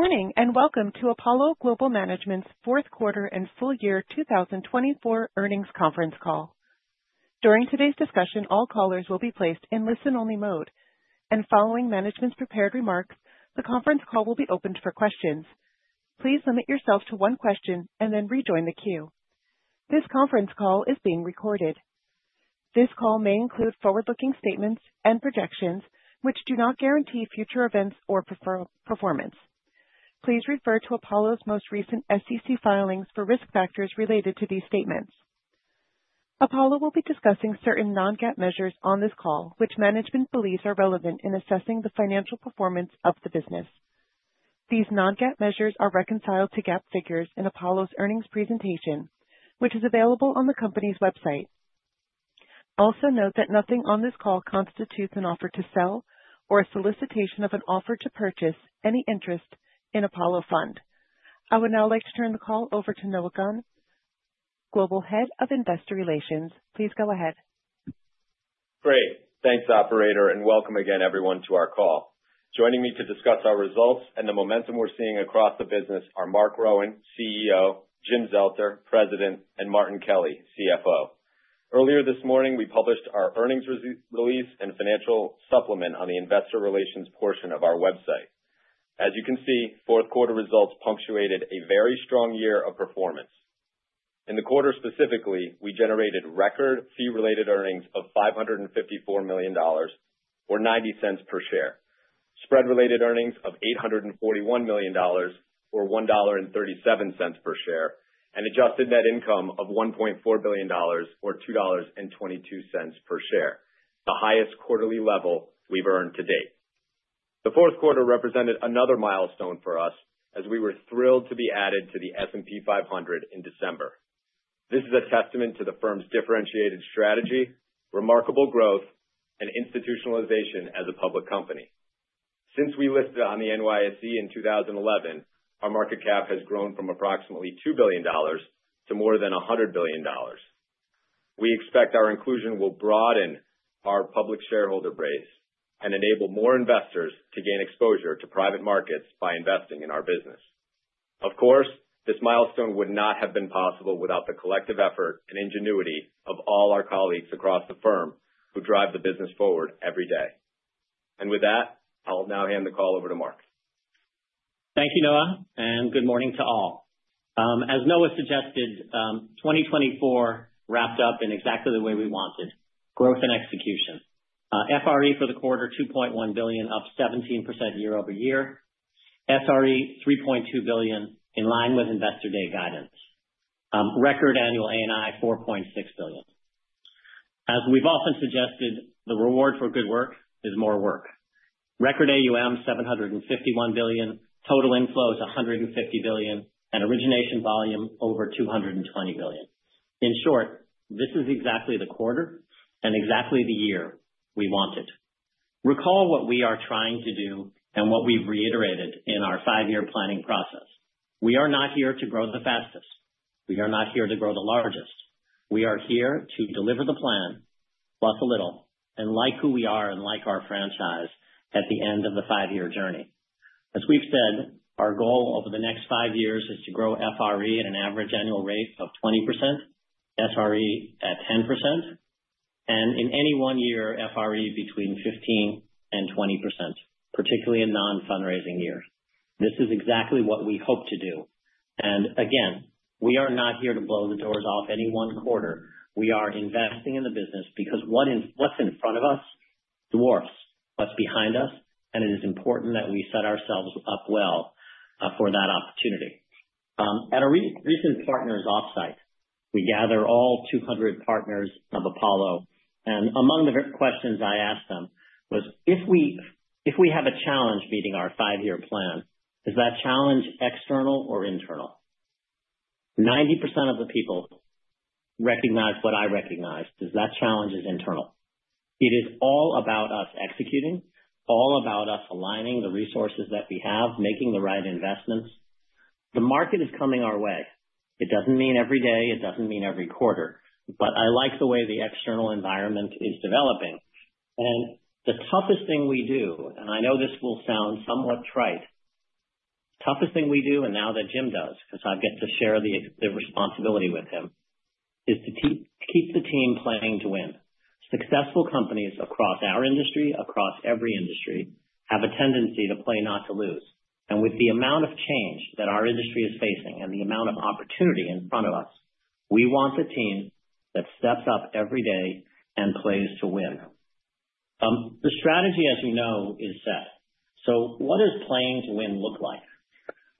Good morning and welcome to Apollo Global Management's fourth quarter and full year 2024 earnings conference call. During today's discussion, all callers will be placed in listen-only mode, and following management's prepared remarks, the conference call will be opened for questions. Please limit yourself to one question and then rejoin the queue. This conference call is being recorded. This call may include forward-looking statements and projections, which do not guarantee future events or performance. Please refer to Apollo's most recent SEC filings for risk factors related to these statements. Apollo will be discussing certain non-GAAP measures on this call, which management believes are relevant in assessing the financial performance of the business. These non-GAAP measures are reconciled to GAAP figures in Apollo's earnings presentation, which is available on the company's website. Also note that nothing on this call constitutes an offer to sell or a solicitation of an offer to purchase any interest in Apollo Fund. I would now like to turn the call over to Noah Gunn, Global Head of Investor Relations. Please go ahead. Great. Thanks, Operator, and welcome again, everyone, to our call. Joining me to discuss our results and the momentum we're seeing across the business are Marc Rowan, CEO, Jim Zelter, President, and Martin Kelly, CFO. Earlier this morning, we published our earnings release and financial supplement on the investor relations portion of our website. As you can see, fourth quarter results punctuated a very strong year of performance. In the quarter specifically, we generated record fee-related earnings of $554 million, or $0.90 per share, spread-related earnings of $841 million, or $1.37 per share, and adjusted net income of $1.4 billion, or $2.22 per share, the highest quarterly level we've earned to date. The fourth quarter represented another milestone for us as we were thrilled to be added to the S&P 500 in December. This is a testament to the firm's differentiated strategy, remarkable growth, and institutionalization as a public company. Since we listed on the NYSE in 2011, our market cap has grown from approximately $2 billion to more than $100 billion. We expect our inclusion will broaden our public shareholder base and enable more investors to gain exposure to private markets by investing in our business. Of course, this milestone would not have been possible without the collective effort and ingenuity of all our colleagues across the firm who drive the business forward every day. And with that, I'll now hand the call over to Marc. Thank you, Noah, and good morning to all. As Noah suggested, 2024 wrapped up in exactly the way we wanted: growth and execution. FRE for the quarter: $2.1 billion, up 17% year over year. SRE: $3.2 billion, in line with Investor Day guidance. Record annual ANI: $4.6 billion. As we've often suggested, the reward for good work is more work. Record AUM: $751 billion. Total inflows: $150 billion. And origination volume: over $220 billion. In short, this is exactly the quarter and exactly the year we wanted. Recall what we are trying to do and what we've reiterated in our five-year planning process. We are not here to grow the fastest. We are not here to grow the largest. We are here to deliver the plan, plus a little, and like who we are and like our franchise at the end of the five-year journey. As we've said, our goal over the next five years is to grow FRE at an average annual rate of 20%, SRE at 10%, and in any one year, FRE between 15%-20%, particularly in non-fundraising years. This is exactly what we hope to do, and again, we are not here to blow the doors off any one quarter. We are investing in the business because what's in front of us dwarfs what's behind us, and it is important that we set ourselves up well for that opportunity. At a recent partners' offsite, we gather all 200 partners of Apollo, and among the questions I asked them was, "If we have a challenge meeting our five-year plan, is that challenge external or internal?" 90% of the people recognize what I recognize: that challenge is internal. It is all about us executing, all about us aligning the resources that we have, making the right investments. The market is coming our way. It doesn't mean every day. It doesn't mean every quarter. But I like the way the external environment is developing. And the toughest thing we do, and I know this will sound somewhat trite, the toughest thing we do, and now that Jim does, because I get to share the responsibility with him, is to keep the team playing to win. Successful companies across our industry, across every industry, have a tendency to play not to lose. And with the amount of change that our industry is facing and the amount of opportunity in front of us, we want a team that steps up every day and plays to win. The strategy, as you know, is set. So what does playing to win look like?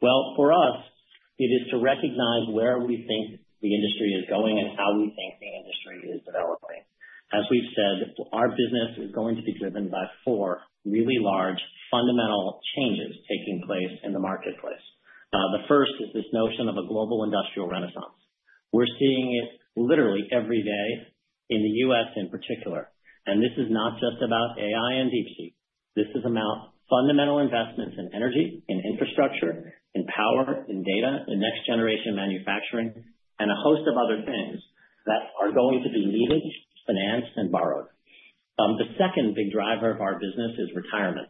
For us, it is to recognize where we think the industry is going and how we think the industry is developing. As we've said, our business is going to be driven by four really large fundamental changes taking place in the marketplace. The first is this notion of a global industrial renaissance. We're seeing it literally every day in the U.S. in particular. And this is not just about AI and deep tech. This is about fundamental investments in energy, in infrastructure, in power, in data, in next-generation manufacturing, and a host of other things that are going to be needed, financed, and borrowed. The second big driver of our business is retirement.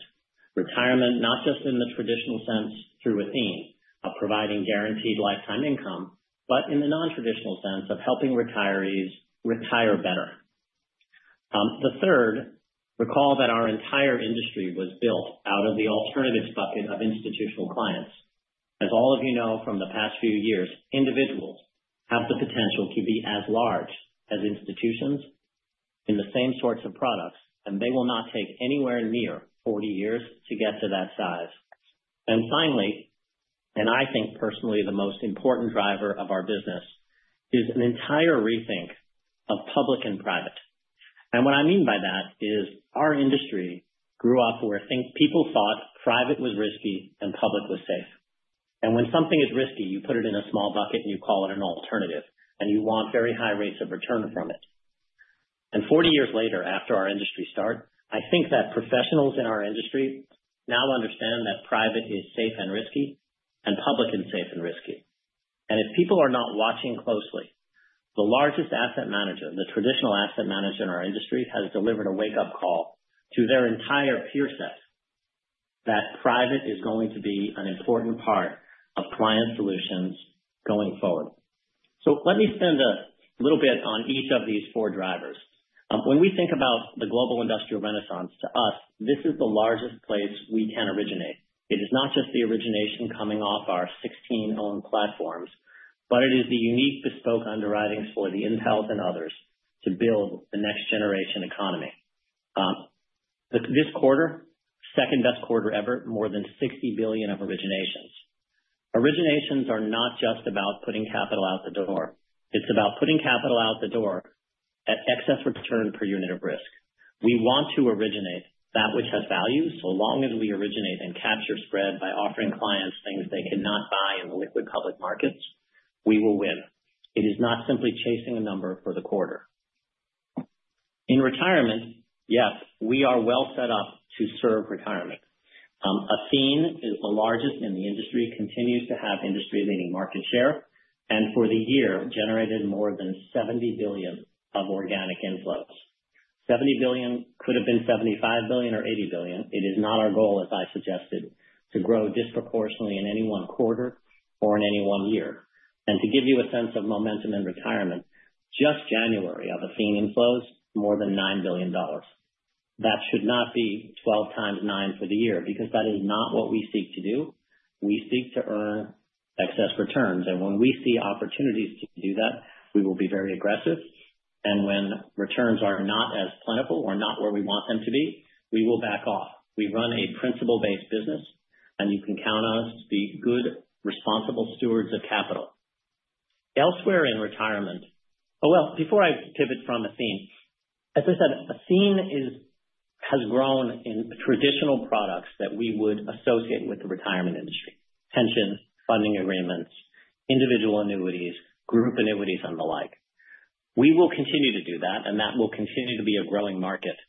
Retirement, not just in the traditional sense through Athene providing guaranteed lifetime income, but in the non-traditional sense of helping retirees retire better. The third, recall that our entire industry was built out of the alternatives bucket of institutional clients. As all of you know from the past few years, individuals have the potential to be as large as institutions in the same sorts of products, and they will not take anywhere near 40 years to get to that size. And finally, and I think personally the most important driver of our business, is an entire rethink of public and private. And what I mean by that is our industry grew up where people thought private was risky and public was safe. And when something is risky, you put it in a small bucket and you call it an alternative, and you want very high rates of return from it. 40 years later, after our industry started, I think that professionals in our industry now understand that private is safe and risky and public is safe and risky. If people are not watching closely, the largest asset manager, the traditional asset manager in our industry, has delivered a wake-up call to their entire peer set that private is going to be an important part of client solutions going forward. Let me spend a little bit on each of these four drivers. When we think about the global industrial renaissance, to us, this is the largest place we can originate. It is not just the origination coming off our 16-owned platforms, but it is the unique bespoke underwritings for Intel and others to build the next-generation economy. This quarter, second-best quarter ever, more than $60 billion of originations. Originations are not just about putting capital out the door. It's about putting capital out the door at excess return per unit of risk. We want to originate that which has value. So long as we originate and capture spread by offering clients things they cannot buy in the liquid public markets, we will win. It is not simply chasing a number for the quarter. In retirement, yes, we are well set up to serve retirement. Athene is the largest in the industry, continues to have industry-leading market share, and for the year generated more than $70 billion of organic inflows. $70 billion could have been $75 billion or $80 billion. It is not our goal, as I suggested, to grow disproportionately in any one quarter or in any one year. And to give you a sense of momentum in retirement, just January of Athene inflows more than $9 billion. That should not be 12 times 9 for the year because that is not what we seek to do. We seek to earn excess returns. And when we see opportunities to do that, we will be very aggressive. And when returns are not as plentiful or not where we want them to be, we will back off. We run a principal-based business, and you can count on us to be good, responsible stewards of capital. Elsewhere in retirement, oh, well, before I pivot from Athene, as I said, Athene has grown in traditional products that we would associate with the retirement industry: pensions, funding agreements, individual annuities, group annuities, and the like. We will continue to do that, and that will continue to be a growing market.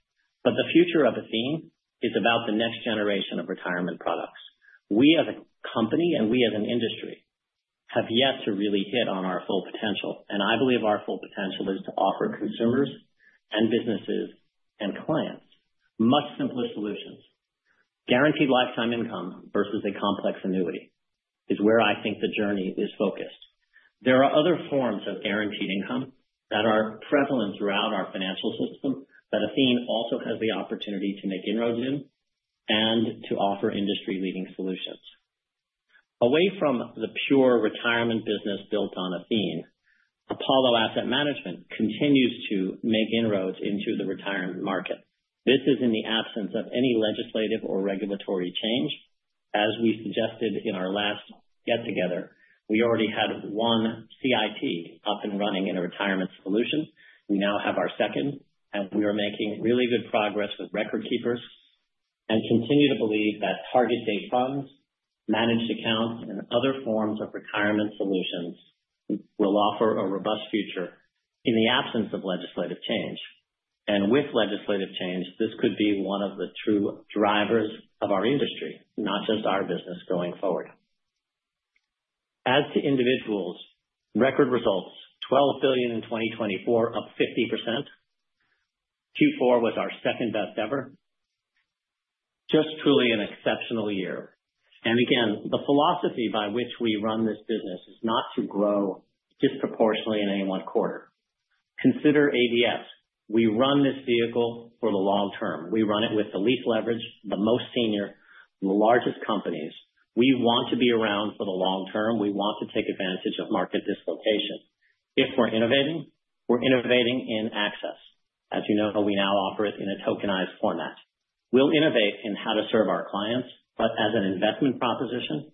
But the future of Athene is about the next generation of retirement products. We, as a company, and we, as an industry, have yet to really hit on our full potential, and I believe our full potential is to offer consumers and businesses and clients much simpler solutions. Guaranteed lifetime income versus a complex annuity is where I think the journey is focused. There are other forms of guaranteed income that are prevalent throughout our financial system that Athene also has the opportunity to make inroads in and to offer industry-leading solutions. Away from the pure retirement business built on Athene, Apollo Asset Management continues to make inroads into the retirement market. This is in the absence of any legislative or regulatory change. As we suggested in our last get-together, we already had one CIT up and running in a retirement solution. We now have our second, and we are making really good progress with record keepers and continue to believe that target-date funds, managed accounts, and other forms of retirement solutions will offer a robust future in the absence of legislative change. And with legislative change, this could be one of the true drivers of our industry, not just our business going forward. As to individuals, record results: $12 billion in 2024, up 50%. Q4 was our second-best ever. Just truly an exceptional year. And again, the philosophy by which we run this business is not to grow disproportionately in any one quarter. Consider ABS. We run this vehicle for the long term. We run it with the least leverage, the most senior, the largest companies. We want to be around for the long term. We want to take advantage of market dislocation. If we're innovating, we're innovating in access. As you know, we now offer it in a tokenized format. We'll innovate in how to serve our clients, but as an investment proposition,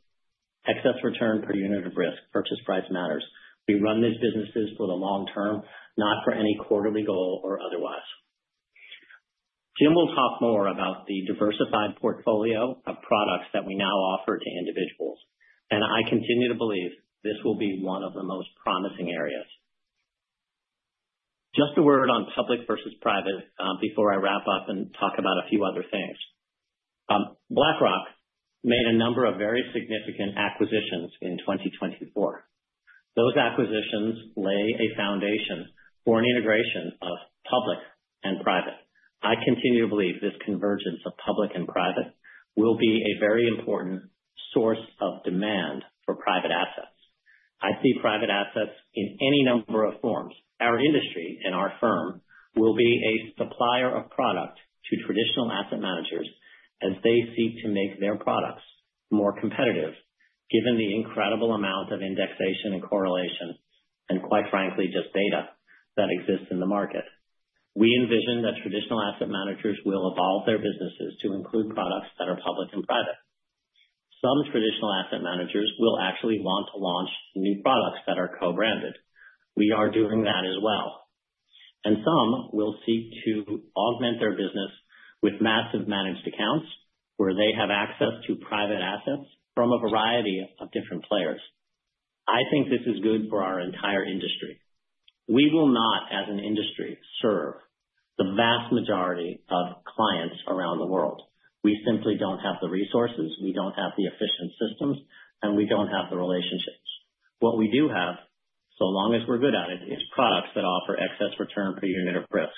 excess return per unit of risk, purchase price matters. We run these businesses for the long term, not for any quarterly goal or otherwise. Jim will talk more about the diversified portfolio of products that we now offer to individuals, and I continue to believe this will be one of the most promising areas. Just a word on public versus private before I wrap up and talk about a few other things. BlackRock made a number of very significant acquisitions in 2024. Those acquisitions lay a foundation for an integration of public and private. I continue to believe this convergence of public and private will be a very important source of demand for private assets. I see private assets in any number of forms. Our industry and our firm will be a supplier of product to traditional asset managers as they seek to make their products more competitive given the incredible amount of indexation and correlation and, quite frankly, just data that exists in the market. We envision that traditional asset managers will evolve their businesses to include products that are public and private. Some traditional asset managers will actually want to launch new products that are co-branded. We are doing that as well, and some will seek to augment their business with massive managed accounts where they have access to private assets from a variety of different players. I think this is good for our entire industry. We will not, as an industry, serve the vast majority of clients around the world. We simply don't have the resources. We don't have the efficient systems, and we don't have the relationships. What we do have, so long as we're good at it, is products that offer excess return per unit of risk.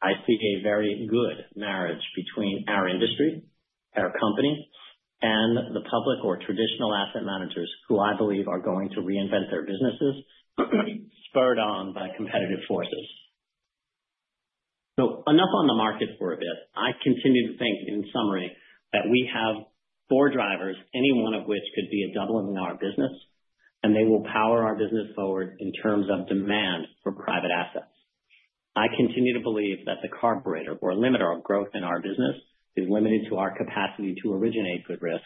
I see a very good marriage between our industry, our company, and the public or traditional asset managers who I believe are going to reinvent their businesses spurred on by competitive forces. So enough on the market for a bit. I continue to think, in summary, that we have four drivers, any one of which could be a double in our business, and they will power our business forward in terms of demand for private assets. I continue to believe that the carburetor or limiter of growth in our business is limited to our capacity to originate good risk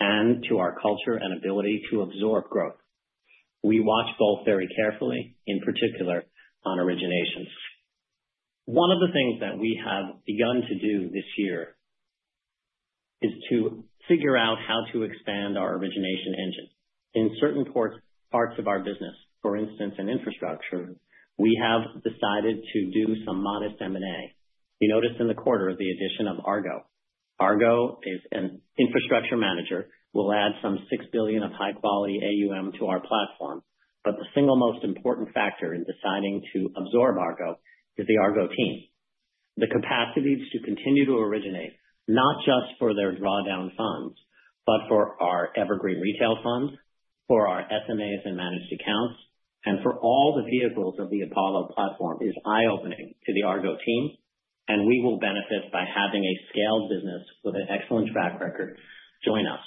and to our culture and ability to absorb growth. We watch both very carefully, in particular on originations. One of the things that we have begun to do this year is to figure out how to expand our origination engine. In certain parts of our business, for instance, in infrastructure, we have decided to do some modest M&A. You noticed in the quarter the addition of Aergo. Aergo is an infrastructure manager, will add some $6 billion of high-quality AUM to our platform. But the single most important factor in deciding to absorb Aergo is the Aergo team. The capacity to continue to originate, not just for their drawdown funds, but for our Evergreen Retail funds, for our SMAs and managed accounts, and for all the vehicles of the Apollo platform is eye-opening to the Aergo team, and we will benefit by having a scaled business with an excellent track record join us.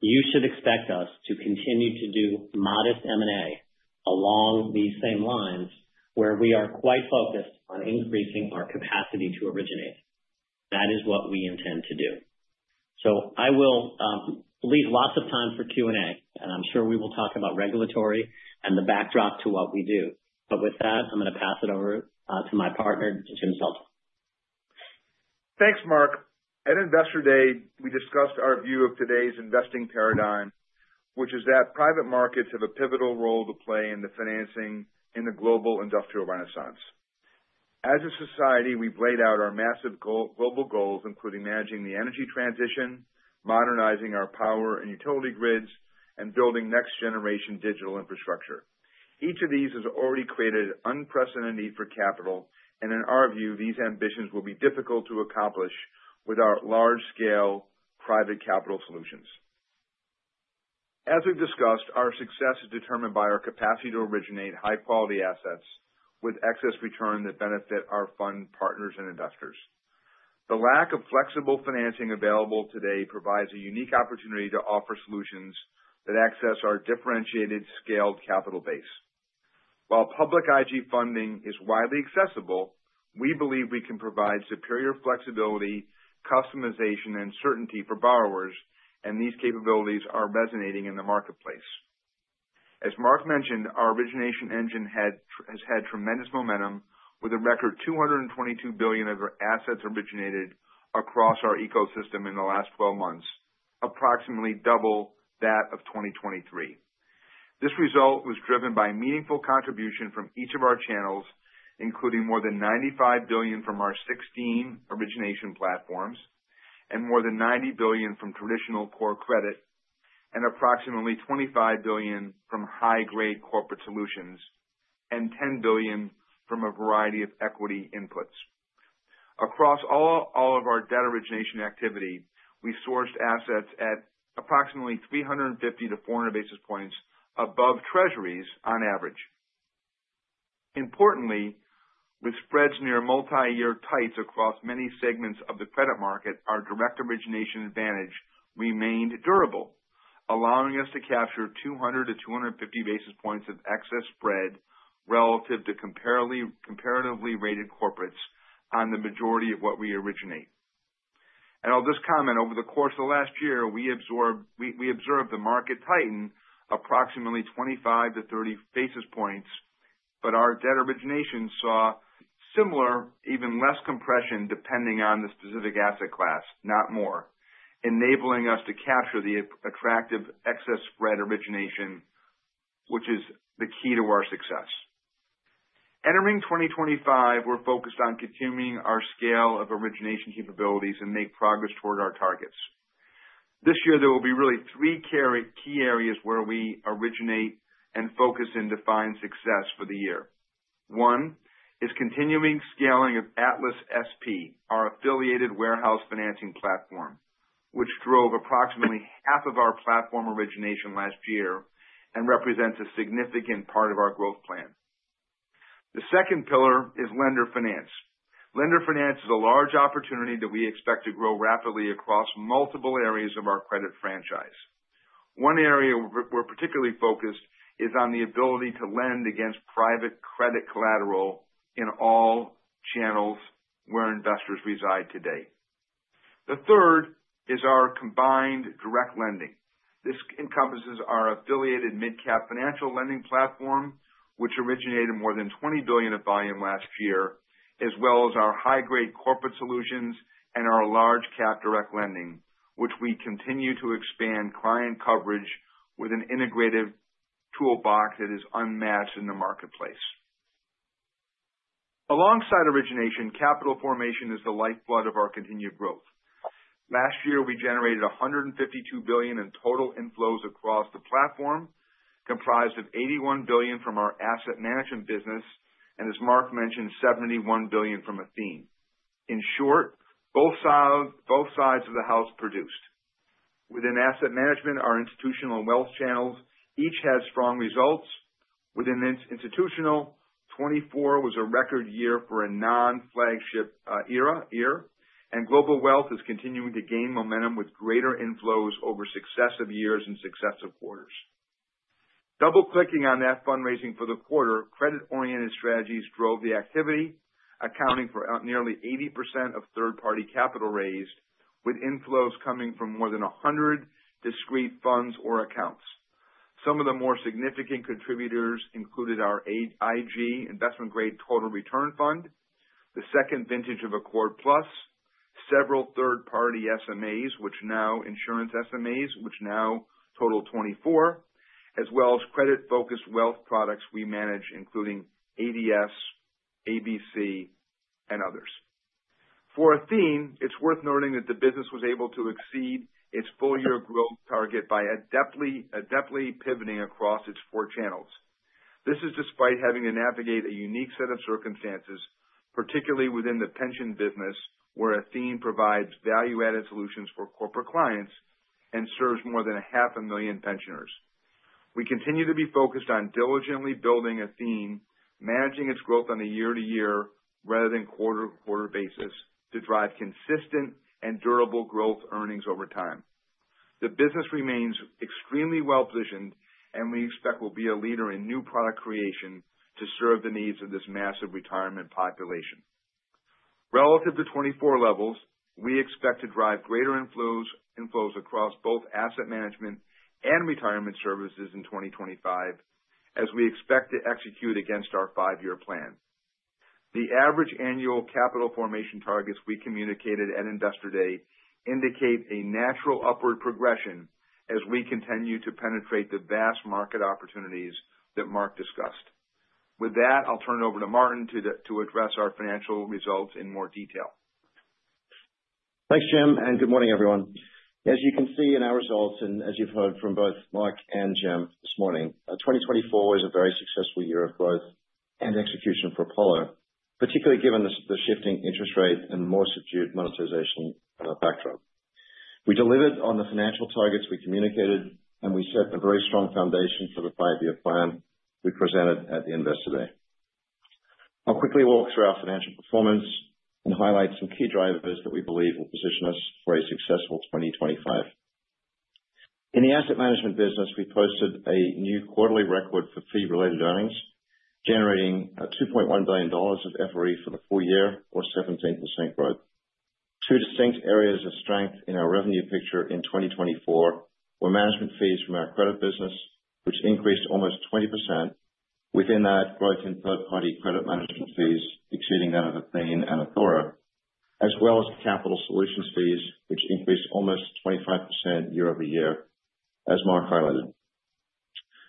You should expect us to continue to do modest M&A along these same lines where we are quite focused on increasing our capacity to originate. That is what we intend to do. So I will leave lots of time for Q&A, and I'm sure we will talk about regulatory and the backdrop to what we do. But with that, I'm going to pass it over to my partner, Jim Zelter. Thanks, Marc. At Investor Day, we discussed our view of today's investing paradigm, which is that private markets have a pivotal role to play in the financing in the global industrial renaissance. As a society, we've laid out our massive global goals, including managing the energy transition, modernizing our power and utility grids, and building next-generation digital infrastructure. Each of these has already created an unprecedented need for capital. In our view, these ambitions will be difficult to accomplish with our large-scale private capital solutions. As we've discussed, our success is determined by our capacity to originate high-quality assets with excess return that benefit our fund partners and investors. The lack of flexible financing available today provides a unique opportunity to offer solutions that access our differentiated scaled capital base. While public IG funding is widely accessible, we believe we can provide superior flexibility, customization, and certainty for borrowers, and these capabilities are resonating in the marketplace. As Marc mentioned, our origination engine has had tremendous momentum with a record $222 billion of assets originated across our ecosystem in the last 12 months, approximately double that of 2023. This result was driven by meaningful contribution from each of our channels, including more than $95 billion from our 16 origination platforms and more than $90 billion from traditional core credit and approximately $25 billion from High Grade Corporate Solutions and $10 billion from a variety of equity inflows. Across all of our debt origination activity, we sourced assets at approximately 350 to 400 basis points above treasuries on average. Importantly, with spreads near multi-year tights across many segments of the credit market, our direct origination advantage remained durable, allowing us to capture 200 to 250 basis points of excess spread relative to comparatively rated corporates on the majority of what we originate. I'll just comment over the course of the last year, we observed the market tighten approximately 25-30 basis points, but our debt origination saw similar, even less compression depending on the specific asset class, not more, enabling us to capture the attractive excess spread origination, which is the key to our success. Entering 2025, we're focused on continuing our scale of origination capabilities and make progress toward our targets. This year, there will be really three key areas where we originate and focus and define success for the year. One is continuing scaling of Atlas SP, our affiliated warehouse financing platform, which drove approximately half of our platform origination last year and represents a significant part of our growth plan. The second pillar is lender finance. Lender finance is a large opportunity that we expect to grow rapidly across multiple areas of our credit franchise. One area we're particularly focused on is on the ability to lend against private credit collateral in all channels where investors reside today. The third is our combined direct lending. This encompasses our affiliated MidCap Financial lending platform, which originated more than $20 billion of volume last year, as well as our High Grade Corporate Solutions and our large-cap direct lending, which we continue to expand client coverage with an integrative toolbox that is unmatched in the marketplace. Alongside origination, capital formation is the lifeblood of our continued growth. Last year, we generated $152 billion in total inflows across the platform, comprised of $81 billion from our asset management business and, as Marc mentioned, $71 billion from Athene. In short, both sides of the house produced. Within asset management, our institutional and wealth channels each had strong results. Within institutional, 2024 was a record year for a non-flagship year, and Global Wealth is continuing to gain momentum with greater inflows over successive years and successive quarters. Double-clicking on that fundraising for the quarter, credit-oriented strategies drove the activity, accounting for nearly 80% of third-party capital raised, with inflows coming from more than 100 discrete funds or accounts. Some of the more significant contributors included our IG Total Return Fund, the second vintage of Accord+, several third-party SMAs, which are now insurance SMAs, which now total 24, as well as credit-focused wealth products we manage, including ADS, ADC, and others. For Athene, it is worth noting that the business was able to exceed its full-year growth target by adeptly pivoting across its four channels. This is despite having to navigate a unique set of circumstances, particularly within the pension business, where Athene provides value-added solutions for corporate clients and serves more than 500,000 pensioners. We continue to be focused on diligently building Athene, managing its growth on a year-to-year rather than quarter-to-quarter basis to drive consistent and durable growth earnings over time. The business remains extremely well-positioned, and we expect we'll be a leader in new product creation to serve the needs of this massive retirement population. Relative to 2024 levels, we expect to drive greater inflows across both asset management and retirement services in 2025, as we expect to execute against our five-year plan. The average annual capital formation targets we communicated at Investor Day indicate a natural upward progression as we continue to penetrate the vast market opportunities that Marc discussed. With that, I'll turn it over to Martin to address our financial results in more detail. Thanks, Jim, and good morning, everyone. As you can see in our results and as you've heard from both Marc and Jim this morning, 2024 is a very successful year of growth and execution for Apollo, particularly given the shifting interest rate and more subdued monetization backdrop. We delivered on the financial targets we communicated, and we set a very strong foundation for the five-year plan we presented at Investor Day. I'll quickly walk through our financial performance and highlight some key drivers that we believe will position us for a successful 2025. In the asset management business, we posted a new quarterly record for fee-related earnings, generating $2.1 billion of FRE for the full year, or 17% growth. Two distinct areas of strength in our revenue picture in 2024 were management fees from our credit business, which increased almost 20%, within that growth in third-party credit management fees exceeding that of Athene and Athora, as well as capital solutions fees, which increased almost 25% year over year, as Marc highlighted.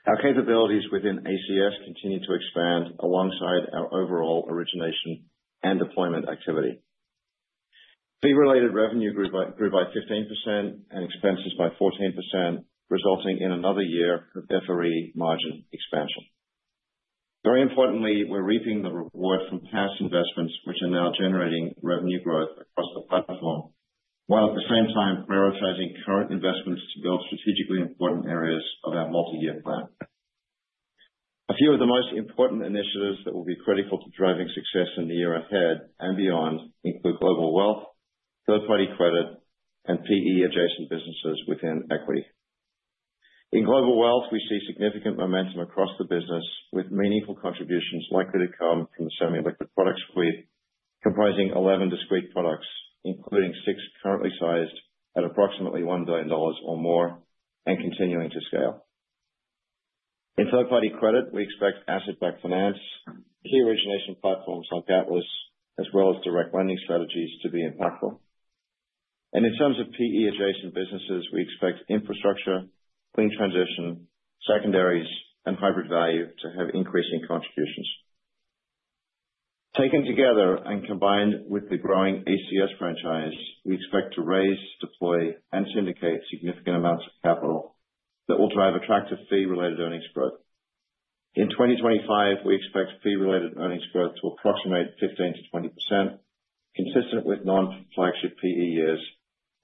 Our capabilities within ACS continue to expand alongside our overall origination and deployment activity. Fee-related revenue grew by 15% and expenses by 14%, resulting in another year of FRE margin expansion. Very importantly, we're reaping the reward from past investments, which are now generating revenue growth across the platform, while at the same time prioritizing current investments to build strategically important areas of our multi-year plan. A few of the most important initiatives that will be critical to driving success in the year ahead and beyond include Global wealth, third-party credit, and PE-adjacent businesses within equity. In Global Wealth, we see significant momentum across the business, with meaningful contributions likely to come from the semi-liquid products fleet, comprising 11 discrete products, including six currently sized at approximately $1 billion or more and continuing to scale. In third-party credit, we expect asset-backed finance, key origination platforms like Atlas, as well as direct lending strategies to be impactful. And in terms of PE-adjacent businesses, we expect infrastructure, Clean Transition, secondaries, and Hybrid Value to have increasing contributions. Taken together and combined with the growing ACS franchise, we expect to raise, deploy, and syndicate significant amounts of capital that will drive attractive fee-related earnings growth. In 2025, we expect fee-related earnings growth to approximate 15%-20%, consistent with non-flagship PE years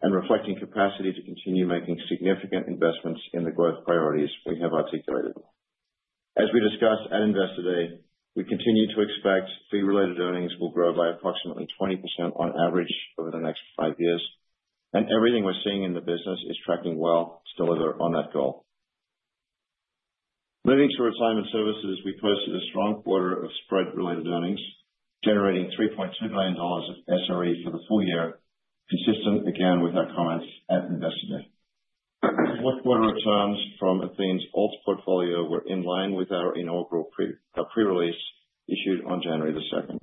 and reflecting capacity to continue making significant investments in the growth priorities we have articulated. As we discussed at Investor Day, we continue to expect fee-related earnings will grow by approximately 20% on average over the next five years, and everything we're seeing in the business is tracking well to deliver on that goal. Moving to retirement services, we posted a strong quarter of spread-related earnings, generating $3.2 billion of SRE for the full year, consistent again with our comments at Investor Day. Fourth quarter returns from Athene's alts portfolio were in line with our inaugural pre-release issued on January the 2nd.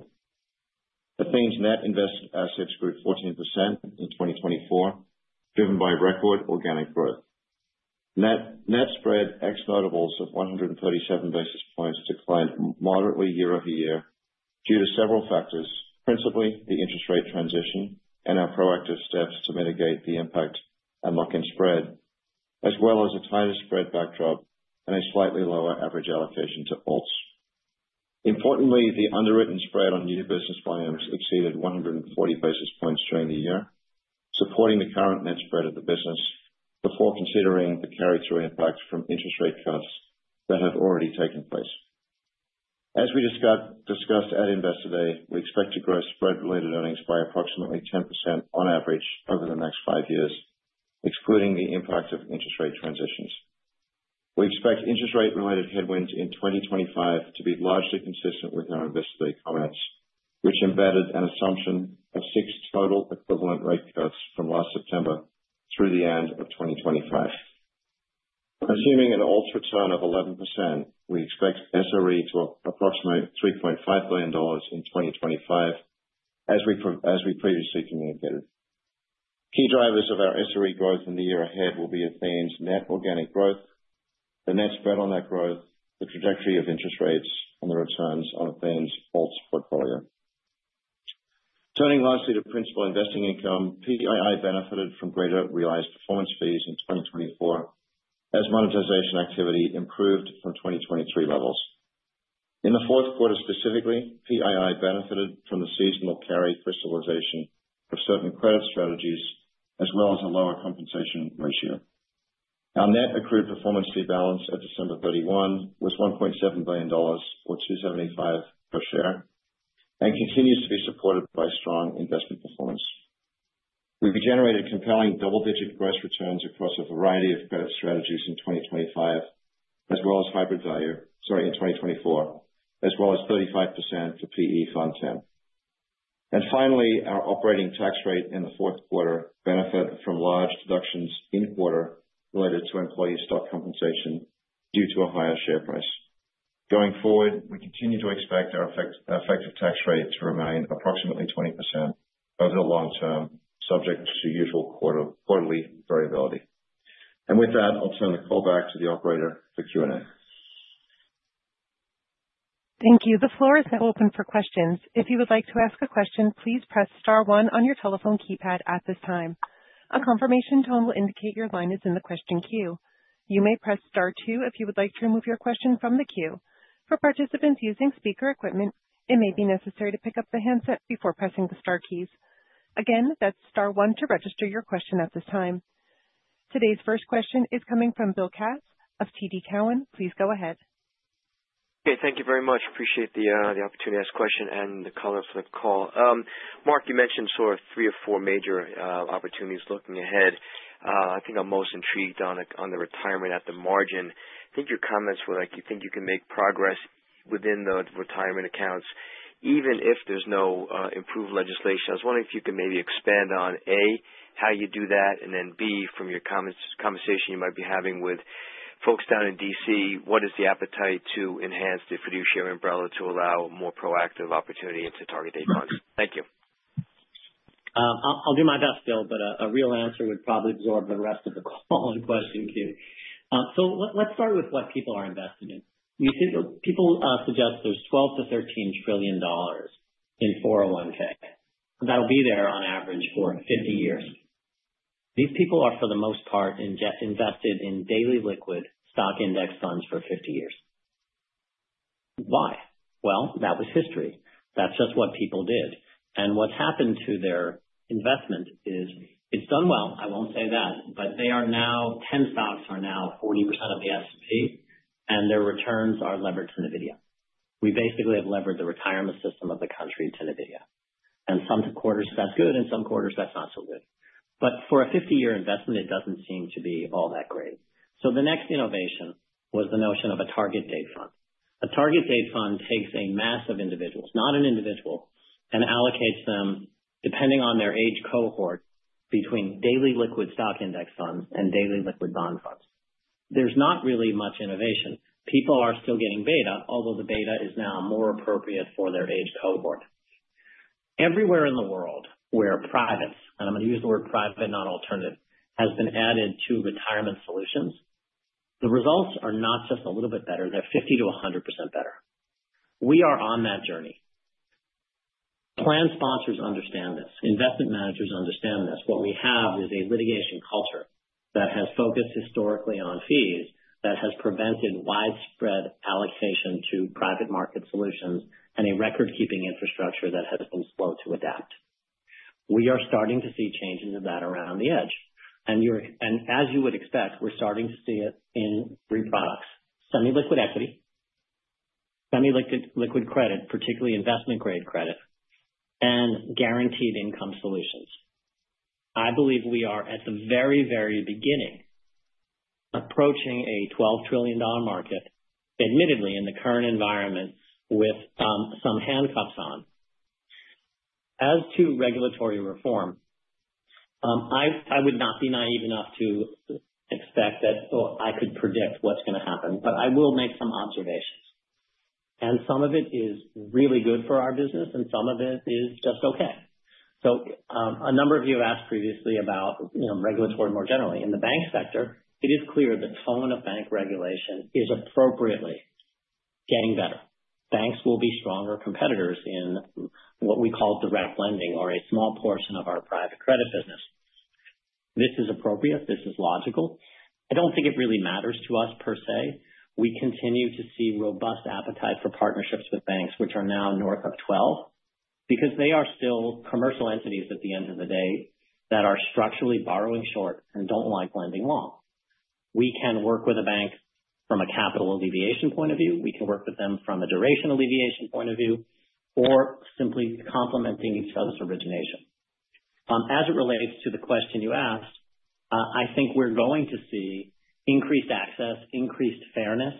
Athene's net invested assets grew 14% in 2024, driven by record organic growth. Net spread ex-notables of 137 basis points declined moderately year over year due to several factors, principally the interest rate transition and our proactive steps to mitigate the impact and lock-in spread, as well as a tighter spread backdrop and a slightly lower average allocation to alts. Importantly, the underwritten spread on new business volumes exceeded 140 basis points during the year, supporting the current net spread of the business before considering the carry-through impact from interest rate cuts that have already taken place. As we discussed at Investor Day, we expect to grow spread-related earnings by approximately 10% on average over the next five years, excluding the impact of interest rate transitions. We expect interest rate-related headwinds in 2025 to be largely consistent with our Investor Day comments, which embedded an assumption of six total equivalent rate cuts from last September through the end of 2025. Assuming an alts return of 11%, we expect SRE to approximate $3.5 billion in 2025, as we previously communicated. Key drivers of our SRE growth in the year ahead will be Athene's net organic growth, the net spread on that growth, the trajectory of interest rates, and the returns on Athene's alts portfolio. Turning lastly to principal investing income, PII benefited from greater realized performance fees in 2024, as monetization activity improved from 2023 levels. In the fourth quarter specifically, PII benefited from the seasonal carry crystallization of certain credit strategies, as well as a lower compensation ratio. Our net accrued performance fee balance at December 31 was $1.7 billion, or $275 per share, and continues to be supported by strong investment performance. We generated compelling double-digit gross returns across a variety of credit strategies in 2025, as well as hybrid value, sorry, in 2024, as well as 35% for PE Fund 10. Finally, our operating tax rate in the fourth quarter benefited from large deductions in quarter related to employee stock compensation due to a higher share price. Going forward, we continue to expect our effective tax rate to remain approximately 20% over the long term, subject to usual quarterly variability. With that, I'll turn the call back to the operator for Q&A. Thank you. The floor is now open for questions. If you would like to ask a question, please press star one on your telephone keypad at this time. A confirmation tone will indicate your line is in the question queue. You may press star two if you would like to remove your question from the queue. For participants using speaker equipment, it may be necessary to pick up the handset before pressing the star keys. Again, that's star one to register your question at this time. Today's first question is coming from Bill Katz of TD Cowen. Please go ahead. Okay. Thank you very much. Appreciate the opportunity to ask a question and the call for the call. Mark, you mentioned sort of three or four major opportunities looking ahead. I think I'm most intrigued on the retirement at the margin. I think your comments were like you think you can make progress within the retirement accounts, even if there's no improved legislation. I was wondering if you could maybe expand on, A, how you do that, and then B, from your conversation you might be having with folks down in D.C., what is the appetite to enhance the fiduciary umbrella to allow more proactive opportunity into target-date funds? Thank you. I'll do my best, Bill, but a real answer would probably absorb the rest of the following question queue. Let's start with what people are investing in. People suggest there's $12-$13 trillion in 401(k). That'll be there on average for 50 years. These people are, for the most part, invested in daily liquid stock index funds for 50 years. Why? Well, that was history. That's just what people did. What's happened to their investment is it's done well, I won't say that, but now 10 stocks are 40% of the S&P, and their returns are levered to NVIDIA. We basically have levered the retirement system of the country to NVIDIA. Some quarters, that's good, and some quarters, that's not so good. But for a 50-year investment, it doesn't seem to be all that great. The next innovation was the notion of a target-date fund. A target-date fund takes a mass of individuals, not an individual, and allocates them, depending on their age cohort, between daily liquid stock index funds and daily liquid bond funds. There's not really much innovation. People are still getting beta, although the beta is now more appropriate for their age cohort. Everywhere in the world where privates, and I'm going to use the word private, not alternative, has been added to retirement solutions, the results are not just a little bit better. They're 50%-100% better. We are on that journey. Plan sponsors understand this. Investment managers understand this. What we have is a litigation culture that has focused historically on fees, that has prevented widespread allocation to private market solutions, and a record-keeping infrastructure that has been slow to adapt. We are starting to see changes of that around the edge. And as you would expect, we're starting to see it in three products: semi-liquid equity, semi-liquid credit, particularly investment-grade credit, and guaranteed income solutions. I believe we are at the very, very beginning approaching a $12 trillion market, admittedly in the current environment with some handcuffs on. As to regulatory reform, I would not be naive enough to expect that I could predict what's going to happen, but I will make some observations. And some of it is really good for our business, and some of it is just okay. So a number of you have asked previously about regulatory more generally. In the bank sector, it is clear the tone of bank regulation is appropriately getting better. Banks will be stronger competitors in what we call direct lending or a small portion of our private credit business. This is appropriate. This is logical. I don't think it really matters to us per se. We continue to see robust appetite for partnerships with banks, which are now north of 12, because they are still commercial entities at the end of the day that are structurally borrowing short and don't like lending long. We can work with a bank from a capital alleviation point of view. We can work with them from a duration alleviation point of view, or simply complementing each other's origination. As it relates to the question you asked, I think we're going to see increased access, increased fairness,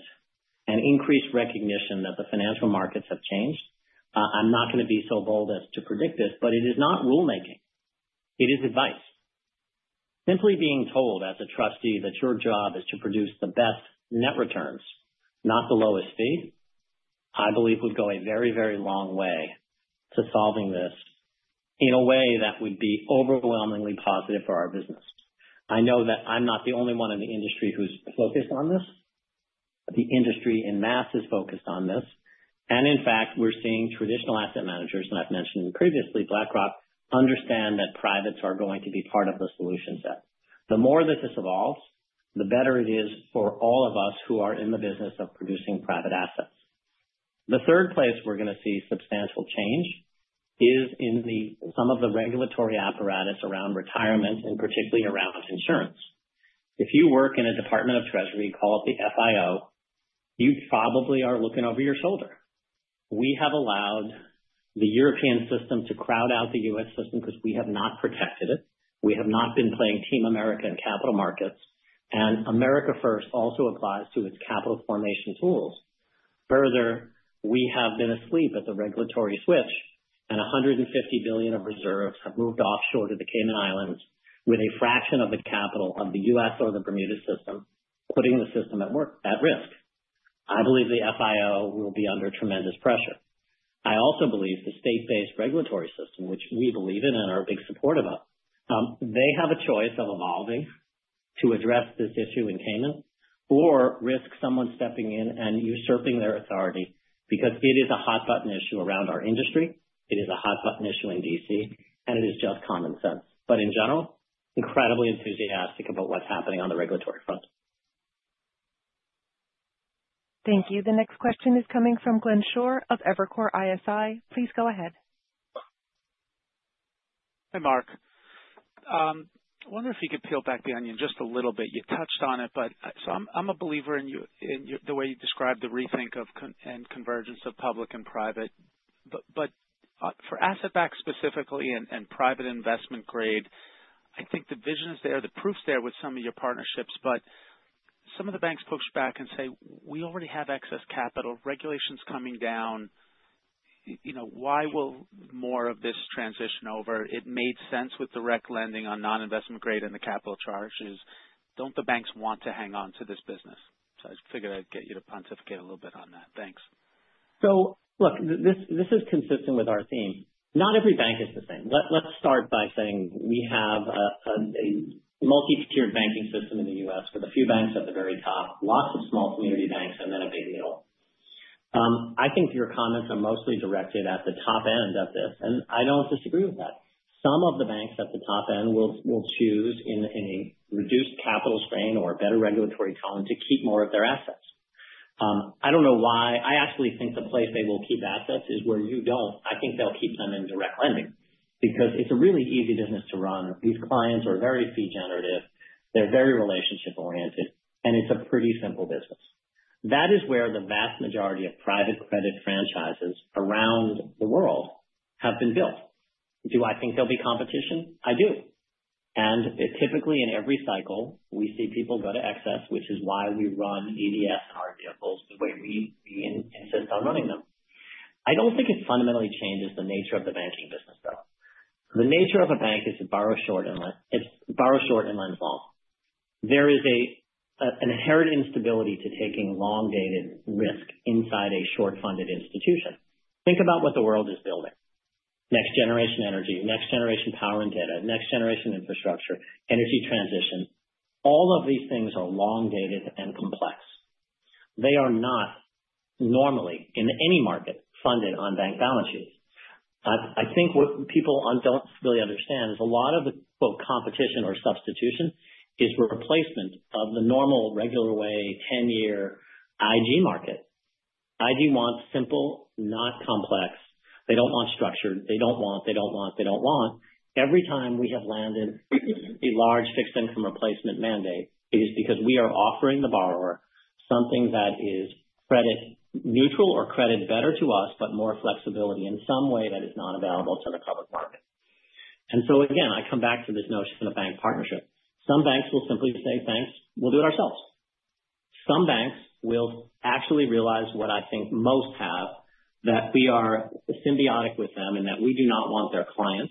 and increased recognition that the financial markets have changed. I'm not going to be so bold as to predict this, but it is not rulemaking. It is advice. Simply being told as a trustee that your job is to produce the best net returns, not the lowest fee, I believe would go a very, very long way to solving this in a way that would be overwhelmingly positive for our business. I know that I'm not the only one in the industry who's focused on this. The industry en masse is focused on this. And in fact, we're seeing traditional asset managers, and I've mentioned previously, BlackRock, understand that privates are going to be part of the solution set. The more this evolves, the better it is for all of us who are in the business of producing private assets. The third place we're going to see substantial change is in some of the regulatory apparatus around retirement, and particularly around insurance. If you work in a Department of Treasury, call it the FIO, you probably are looking over your shoulder. We have allowed the European system to crowd out the U.S. system because we have not protected it. We have not been playing Team America in capital markets. And America First also applies to its capital formation tools. Further, we have been asleep at the regulatory switch, and $150 billion of reserves have moved offshore to the Cayman Islands with a fraction of the capital of the U.S. or the Bermuda system, putting the system at risk. I believe the FIO will be under tremendous pressure. I also believe the state-based regulatory system, which we believe in and are a big supporter of, they have a choice of evolving to address this issue in Cayman, or risk someone stepping in and usurping their authority because it is a hot-button issue around our industry. It is a hot-button issue in DC, and it is just common sense. But in general, incredibly enthusiastic about what's happening on the regulatory front. Thank you. The next question is coming from Glenn Schorr of Evercore ISI. Please go ahead. Hey, Marc. I wonder if you could peel back the onion just a little bit. You touched on it, but so I'm a believer in the way you described the rethink and convergence of public and private. But for asset-backed specifically and private investment grade, I think the vision is there, the proof's there with some of your partnerships, but some of the banks push back and say, "We already have excess capital. Regulation's coming down. Why will more of this transition over?" It made sense with direct lending on non-investment grade and the capital charges. Don't the banks want to hang on to this business? So I figured I'd get you to pontificate a little bit on that. Thanks. So look, this is consistent with our theme. Not every bank is the same. Let's start by saying we have a multi-tiered banking system in the U.S. with a few banks at the very top, lots of small community banks, and then a big middle. I think your comments are mostly directed at the top end of this, and I don't disagree with that. Some of the banks at the top end will choose in a reduced capital strain or a better regulatory tone to keep more of their assets. I don't know why. I actually think the place they will keep assets is where you don't. I think they'll keep them in direct lending because it's a really easy business to run. These clients are very fee-generative. They're very relationship-oriented, and it's a pretty simple business. That is where the vast majority of private credit franchises around the world have been built. Do I think there'll be competition? I do, and typically, in every cycle, we see people go to excess, which is why we run ADS core vehicles the way we insist on running them. I don't think it fundamentally changes the nature of the banking business, though. The nature of a bank is to borrow short and lend long. There is an inherent instability to taking long-dated risk inside a short-funded institution. Think about what the world is building: next-generation energy, next-generation power and data, next-generation infrastructure, energy transition. All of these things are long-dated and complex. They are not normally, in any market, funded on bank balance sheets. I think what people don't really understand is a lot of the, quote, competition or substitution is replacement of the normal, regular way, 10-year IG market. IG wants simple, not complex. They don't want structured. Every time we have landed a large fixed-income replacement mandate, it is because we are offering the borrower something that is credit-neutral or credit better to us, but more flexibility in some way that is not available to the public market. And so again, I come back to this notion of bank partnership. Some banks will simply say, "Thanks. We'll do it ourselves." Some banks will actually realize what I think most have, that we are symbiotic with them and that we do not want their client.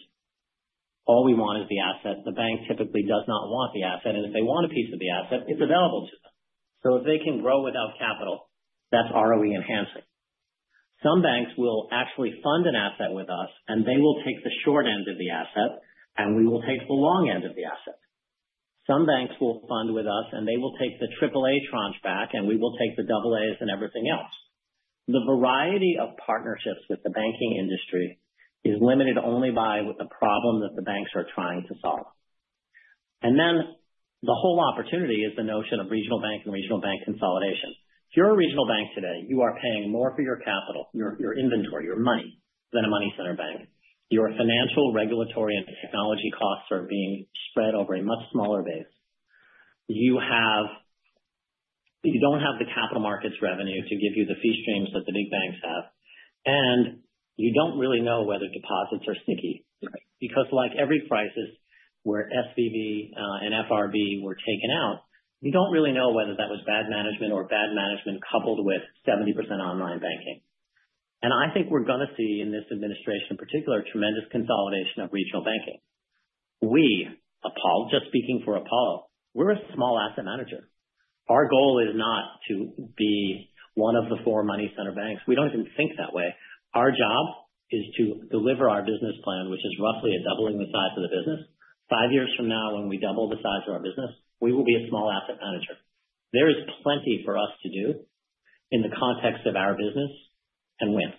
All we want is the asset. The bank typically does not want the asset. And if they want a piece of the asset, it's available to them. So if they can grow without capital, that's ROE enhancing. Some banks will actually fund an asset with us, and they will take the short end of the asset, and we will take the long end of the asset. Some banks will fund with us, and they will take the AAM tranche back, and we will take the AAs and everything else. The variety of partnerships with the banking industry is limited only by the problem that the banks are trying to solve. And then the whole opportunity is the notion of regional bank and regional bank consolidation. If you're a regional bank today, you are paying more for your capital, your inventory, your money than a money-centered bank. Your financial, regulatory, and technology costs are being spread over a much smaller base. You don't have the capital markets revenue to give you the fee streams that the big banks have, and you don't really know whether deposits are sticky. Because like every crisis where SVB and FRB were taken out, you don't really know whether that was bad management or bad management coupled with 70% online banking. And I think we're going to see in this administration, in particular, tremendous consolidation of regional banking. We, Apollo, just speaking for Apollo, we're a small asset manager. Our goal is not to be one of the four money-centered banks. We don't even think that way. Our job is to deliver our business plan, which is roughly doubling the size of the business. Five years from now, when we double the size of our business, we will be a small asset manager. There is plenty for us to do in the context of our business and when.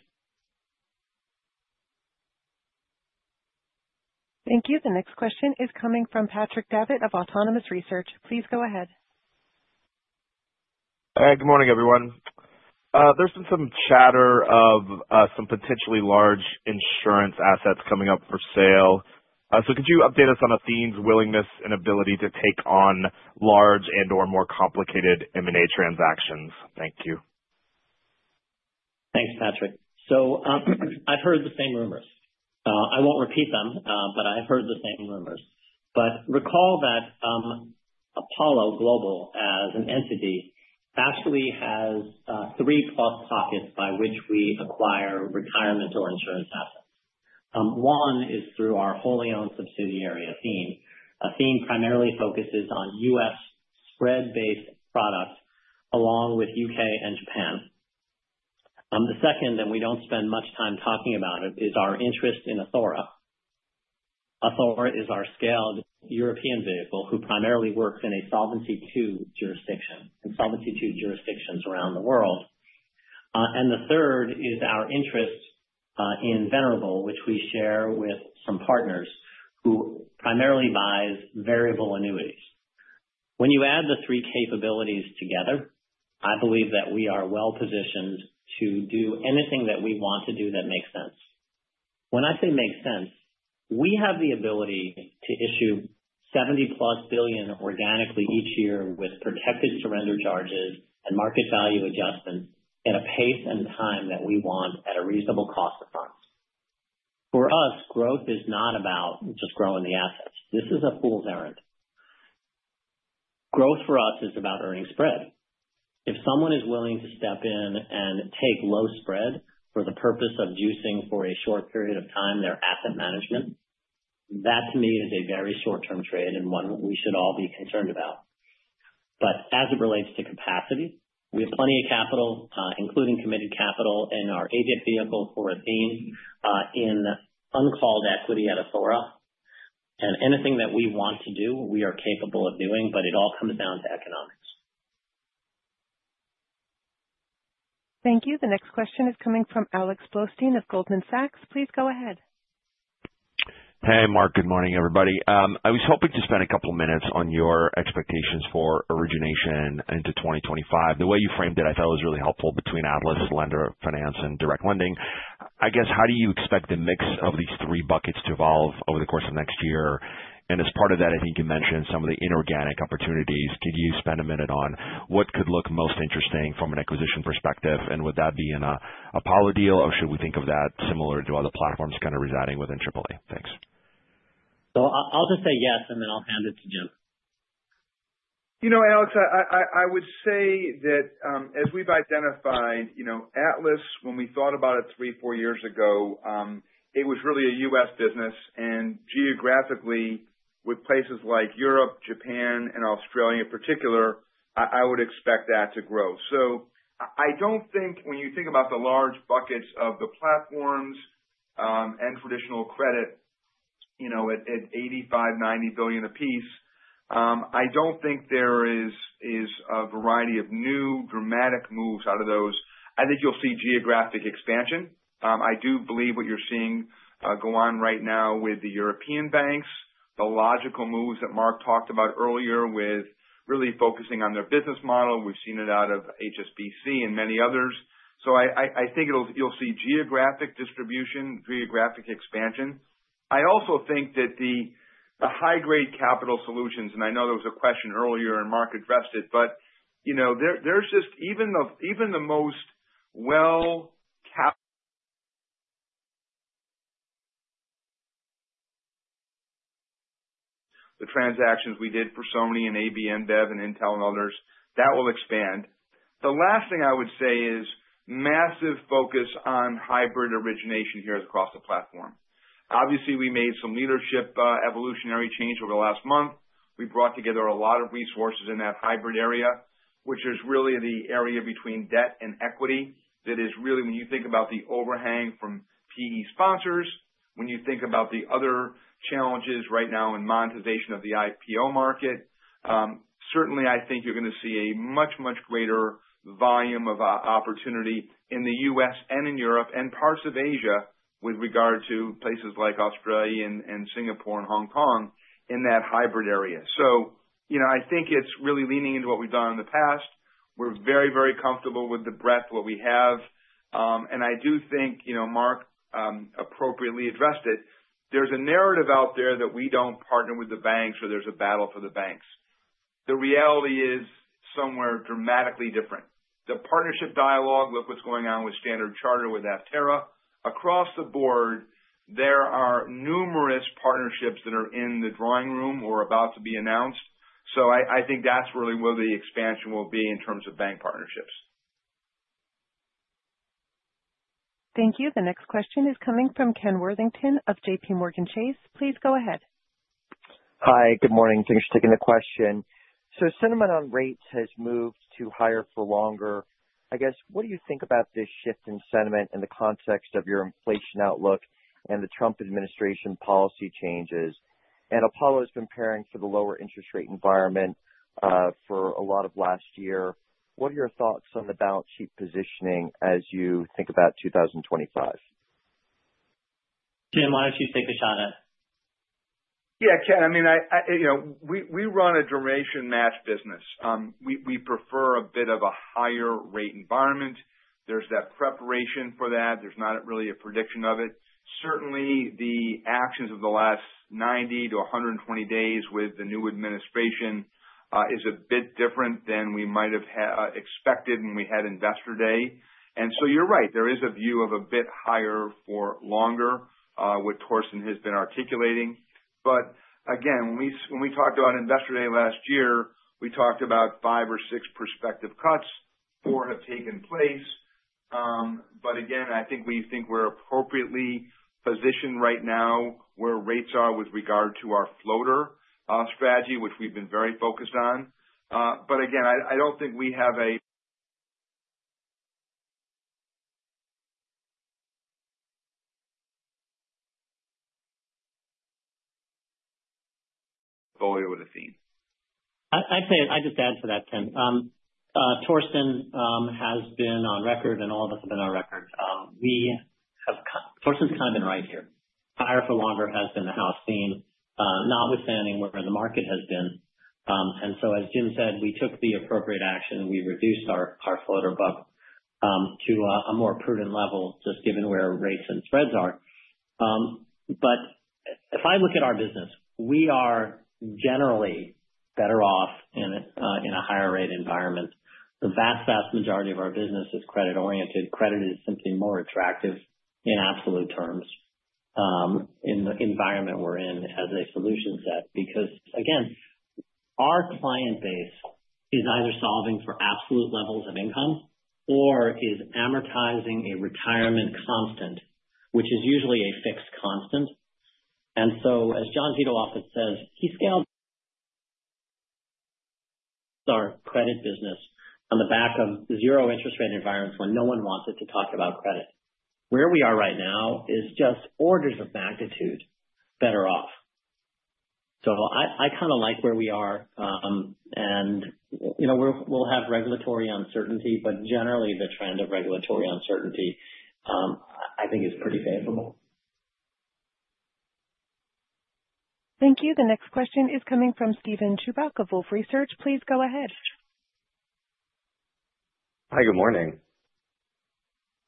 Thank you. The next question is coming from Patrick Davitt of Autonomous Research. Please go ahead. All right. Good morning, everyone. There's been some chatter of some potentially large insurance assets coming up for sale. So could you update us on Athene's willingness and ability to take on large and/or more complicated M&A transactions? Thank you. Thanks, Patrick. So I've heard the same rumors. I won't repeat them, but I've heard the same rumors. But recall that Apollo Global, as an entity, actually has three plus pockets by which we acquire retirement and insurance assets. One is through our wholly-owned subsidiary Athene. Athene primarily focuses on US spread-based products along with UK and Japan. The second, and we don't spend much time talking about it, is our interest in Athora. Athora is our scaled European vehicle who primarily works in a Solvency II jurisdiction and Solvency II jurisdictions around the world. And the third is our interest in Venerable, which we share with some partners who primarily buy variable annuities. When you add the three capabilities together, I believe that we are well-positioned to do anything that we want to do that makes sense. When I say makes sense, we have the ability to issue $70-plus billion organically each year with protected surrender charges and market value adjustments at a pace and time that we want at a reasonable cost of funds. For us, growth is not about just growing the assets. This is a fool's errand. Growth for us is about earning spread. If someone is willing to step in and take low spread for the purpose of juicing for a short period of time their asset management, that to me is a very short-term trade and one we should all be concerned about. But as it relates to capacity, we have plenty of capital, including committed capital in our ADIP vehicle for Athene in uncalled equity at Athora. And anything that we want to do, we are capable of doing, but it all comes down to economics. Thank you. The next question is coming from Alex Blostein of Goldman Sachs. Please go ahead. Hey, Marc. Good morning, everybody. I was hoping to spend a couple of minutes on your expectations for origination into 2025. The way you framed it, I thought, was really helpful between Atlas, Lender Finance, and direct lending. I guess, how do you expect the mix of these three buckets to evolve over the course of next year? And as part of that, I think you mentioned some of the inorganic opportunities. Could you spend a minute on what could look most interesting from an acquisition perspective? And would that be an Apollo deal, or should we think of that similar to other platforms kind of residing within AAA? Thanks. So I'll just say yes, and then I'll hand it to Jim. You know, Alex, I would say that as we've identified, Atlas, when we thought about it three, four years ago, it was really a U.S. business. And geographically, with places like Europe, Japan, and Australia in particular, I would expect that to grow. So I don't think when you think about the large buckets of the platforms and traditional credit at $85 billion, $90 billion a piece, I don't think there is a variety of new dramatic moves out of those. I think you'll see geographic expansion. I do believe what you're seeing go on right now with the European banks, the logical moves that Mark talked about earlier with really focusing on their business model. We've seen it out of HSBC and many others. So I think you'll see geographic distribution, geographic expansion. I also think that the high-grade capital solutions, and I know there was a question earlier and Mark addressed it, but there's just even the most well-capped transactions we did for Sony and AB InBev and Intel and others, that will expand. The last thing I would say is massive focus on hybrid origination here across the platform. Obviously, we made some leadership evolutionary change over the last month. We brought together a lot of resources in that hybrid area, which is really the area between debt and equity that is really, when you think about the overhang from PE sponsors, when you think about the other challenges right now in monetization of the IPO market, certainly, I think you're going to see a much, much greater volume of opportunity in the US and in Europe and parts of Asia with regard to places like Australia and Singapore and Hong Kong in that hybrid area. So I think it's really leaning into what we've done in the past. We're very, very comfortable with the breadth of what we have. And I do think, Marc, appropriately addressed it, there's a narrative out there that we don't partner with the banks or there's a battle for the banks. The reality is somewhere dramatically different. The partnership dialogue with what's going on with Standard Chartered with Athora, across the board, there are numerous partnerships that are on the drawing board or about to be announced. So I think that's really where the expansion will be in terms of bank partnerships. Thank you. The next question is coming from Ken Worthington of JPMorgan Chase. Please go ahead. Hi. Good morning. Thanks for taking the question. So sentiment on rates has moved to higher for longer. I guess, what do you think about this shift in sentiment in the context of your inflation outlook and the Trump administration policy changes? And Apollo has been preparing for the lower interest rate environment for a lot of last year. What are your thoughts on the balance sheet positioning as you think about 2025? Jim, why don't you take the shot at it? Yeah, Ken. I mean, we run a duration-matched business. We prefer a bit of a higher rate environment. There's that preparation for that. There's not really a prediction of it. Certainly, the actions of the last 90-120 days with the new administration is a bit different than we might have expected when we had investor day, and so you're right. There is a view of a bit higher for longer, which Torsten has been articulating, but again, when we talked about investor day last year, we talked about five or six prospective cuts. Four have taken place, but again, I think we think we're appropriately positioned right now where rates are with regard to our floater strategy, which we've been very focused on, but again, I don't think we have a floater with Athene. I'd say, I just add to that, Ken. Torsten has been on record, and all of us have been on record. Torsten's kind of been right here. Higher for longer has been the house theme, notwithstanding where the market has been, and so, as Jim said, we took the appropriate action. We reduced our floater bucket to a more prudent level just given where rates and spreads are, but if I look at our business, we are generally better off in a higher rate environment. The vast, vast majority of our business is credit-oriented. Credit is simply more attractive in absolute terms in the environment we're in as a solution set. Because again, our client base is either solving for absolute levels of income or is amortizing a retirement constant, which is usually a fixed constant. And so, as John Zito often says, he scaled our credit business on the back of zero interest rate environments when no one wanted to talk about credit. Where we are right now is just orders of magnitude better off. So I kind of like where we are. And we'll have regulatory uncertainty, but generally, the trend of regulatory uncertainty, I think, is pretty favorable. Thank you. The next question is coming from Steven Chubak of Wolfe Research. Please go ahead. Hi. Good morning.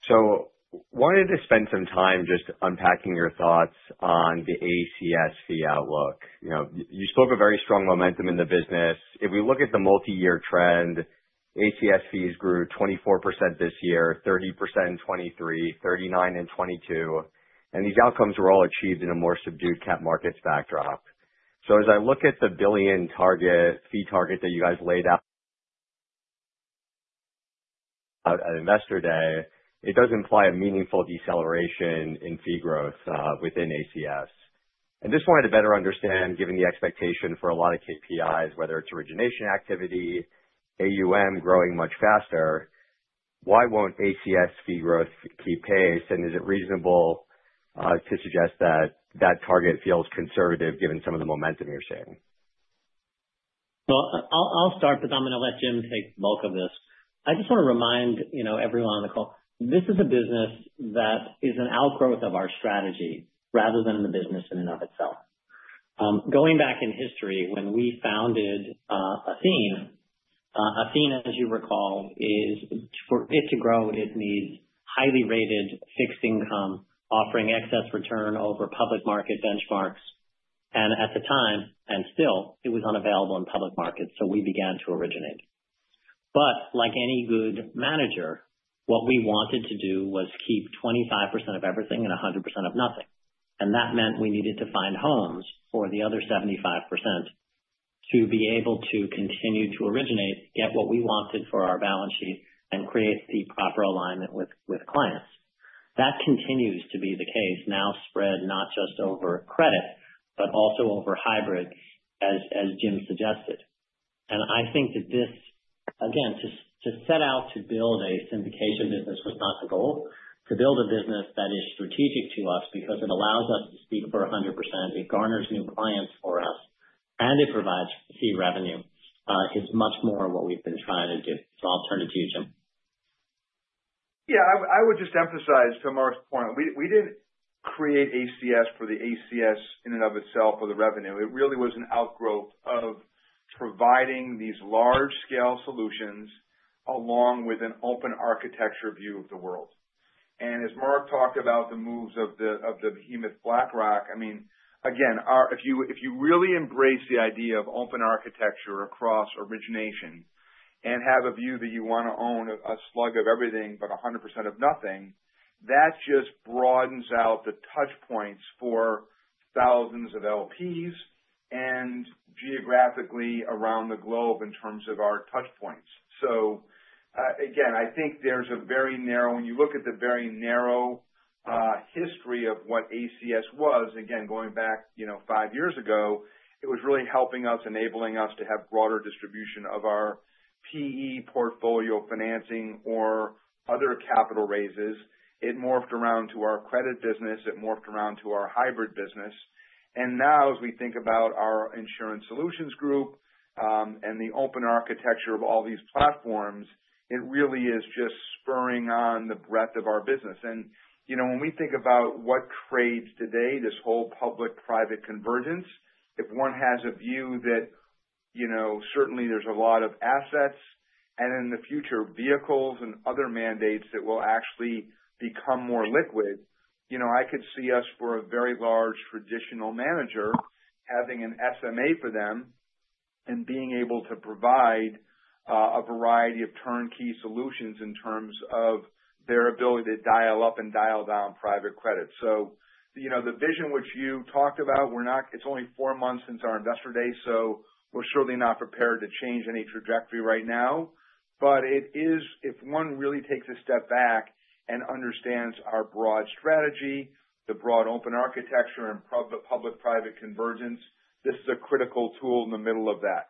So wanted to spend some time just unpacking your thoughts on the ACS fee outlook. You spoke of very strong momentum in the business. If we look at the multi-year trend, ACS fees grew 24% this year, 30% in 2023, 39% in 2022. And these outcomes were all achieved in a more subdued cap markets backdrop. As I look at the $1 billion fee target that you guys laid out at investor day, it does imply a meaningful deceleration in fee growth within ACS. And just wanted to better understand, given the expectation for a lot of KPIs, whether it's origination activity, AUM growing much faster, why won't ACS fee growth keep pace? And is it reasonable to suggest that that target feels conservative given some of the momentum you're seeing? Well, I'll start, but I'm going to let Jim take bulk of this. I just want to remind everyone on the call, this is a business that is an outgrowth of our strategy rather than the business in and of itself. Going back in history, when we founded Athene, Athene, as you recall, for it to grow, it needs highly rated fixed income offering excess return over public market benchmarks. At the time, and still, it was unavailable in public markets. We began to originate. But like any good manager, what we wanted to do was keep 25% of everything and 100% of nothing. That meant we needed to find homes for the other 75% to be able to continue to originate, get what we wanted for our balance sheet, and create the proper alignment with clients. That continues to be the case now, spread not just over credit, but also over hybrid, as Jim suggested. I think that this, again, to set out to build a syndication business was not the goal. To build a business that is strategic to us because it allows us to speak for 100%, it garners new clients for us, and it provides fee revenue is much more what we've been trying to do. So I'll turn it to you, Jim. Yeah. I would just emphasize to Marc's point, we didn't create ACS for the ACS in and of itself or the revenue. It really was an outgrowth of providing these large-scale solutions along with an open architecture view of the world. And as Marc talked about the moves of the behemoth BlackRock, I mean, again, if you really embrace the idea of open architecture across origination and have a view that you want to own a slug of everything but 100% of nothing, that just broadens out the touchpoints for thousands of LPs and geographically around the globe in terms of our touchpoints. So again, I think there's a very narrow, when you look at the very narrow history of what ACS was, again, going back five years ago, it was really helping us, enabling us to have broader distribution of our PE portfolio financing or other capital raises. It morphed around to our credit business. It morphed around to our hybrid business. And now, as we think about our insurance solutions group and the open architecture of all these platforms, it really is just spurring on the breadth of our business. And when we think about what trades today, this whole public-private convergence, if one has a view that certainly there's a lot of assets and in the future vehicles and other mandates that will actually become more liquid, I could see us for a very large traditional manager having an SMA for them and being able to provide a variety of turnkey solutions in terms of their ability to dial up and dial down private credit. So the vision which you talked about, it's only four months since our investor day, so we're surely not prepared to change any trajectory right now. But if one really takes a step back and understands our broad strategy, the broad open architecture and public-private convergence, this is a critical tool in the middle of that.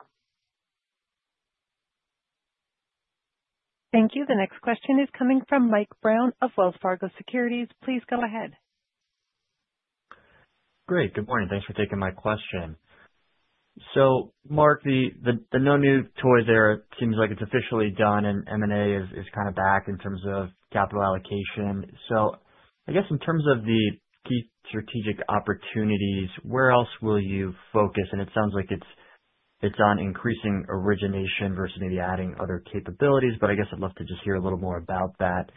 Thank you. The next question is coming from Mike Brown of Wells Fargo Securities. Please go ahead. Great. Good morning. Thanks for taking my question. So Marc, the No New Toys there seems like it's officially done, and M&A is kind of back in terms of capital allocation. So I guess in terms of the key strategic opportunities, where else will you focus? And it sounds like it's on increasing origination versus maybe adding other capabilities, but I guess I'd love to just hear a little more about that.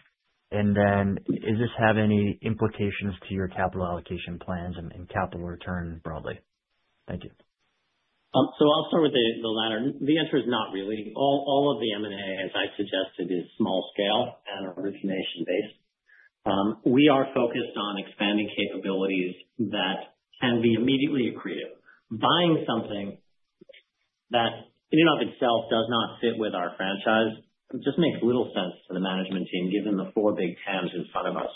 And then does this have any implications to your capital allocation plans and capital return broadly? Thank you. So I'll start with the latter. The answer is not really. All of the M&A, as I suggested, is small-scale and origination-based. We are focused on expanding capabilities that can be immediately accretive. Buying something that in and of itself does not fit with our franchise just makes little sense to the management team given the four big TAMs in front of us.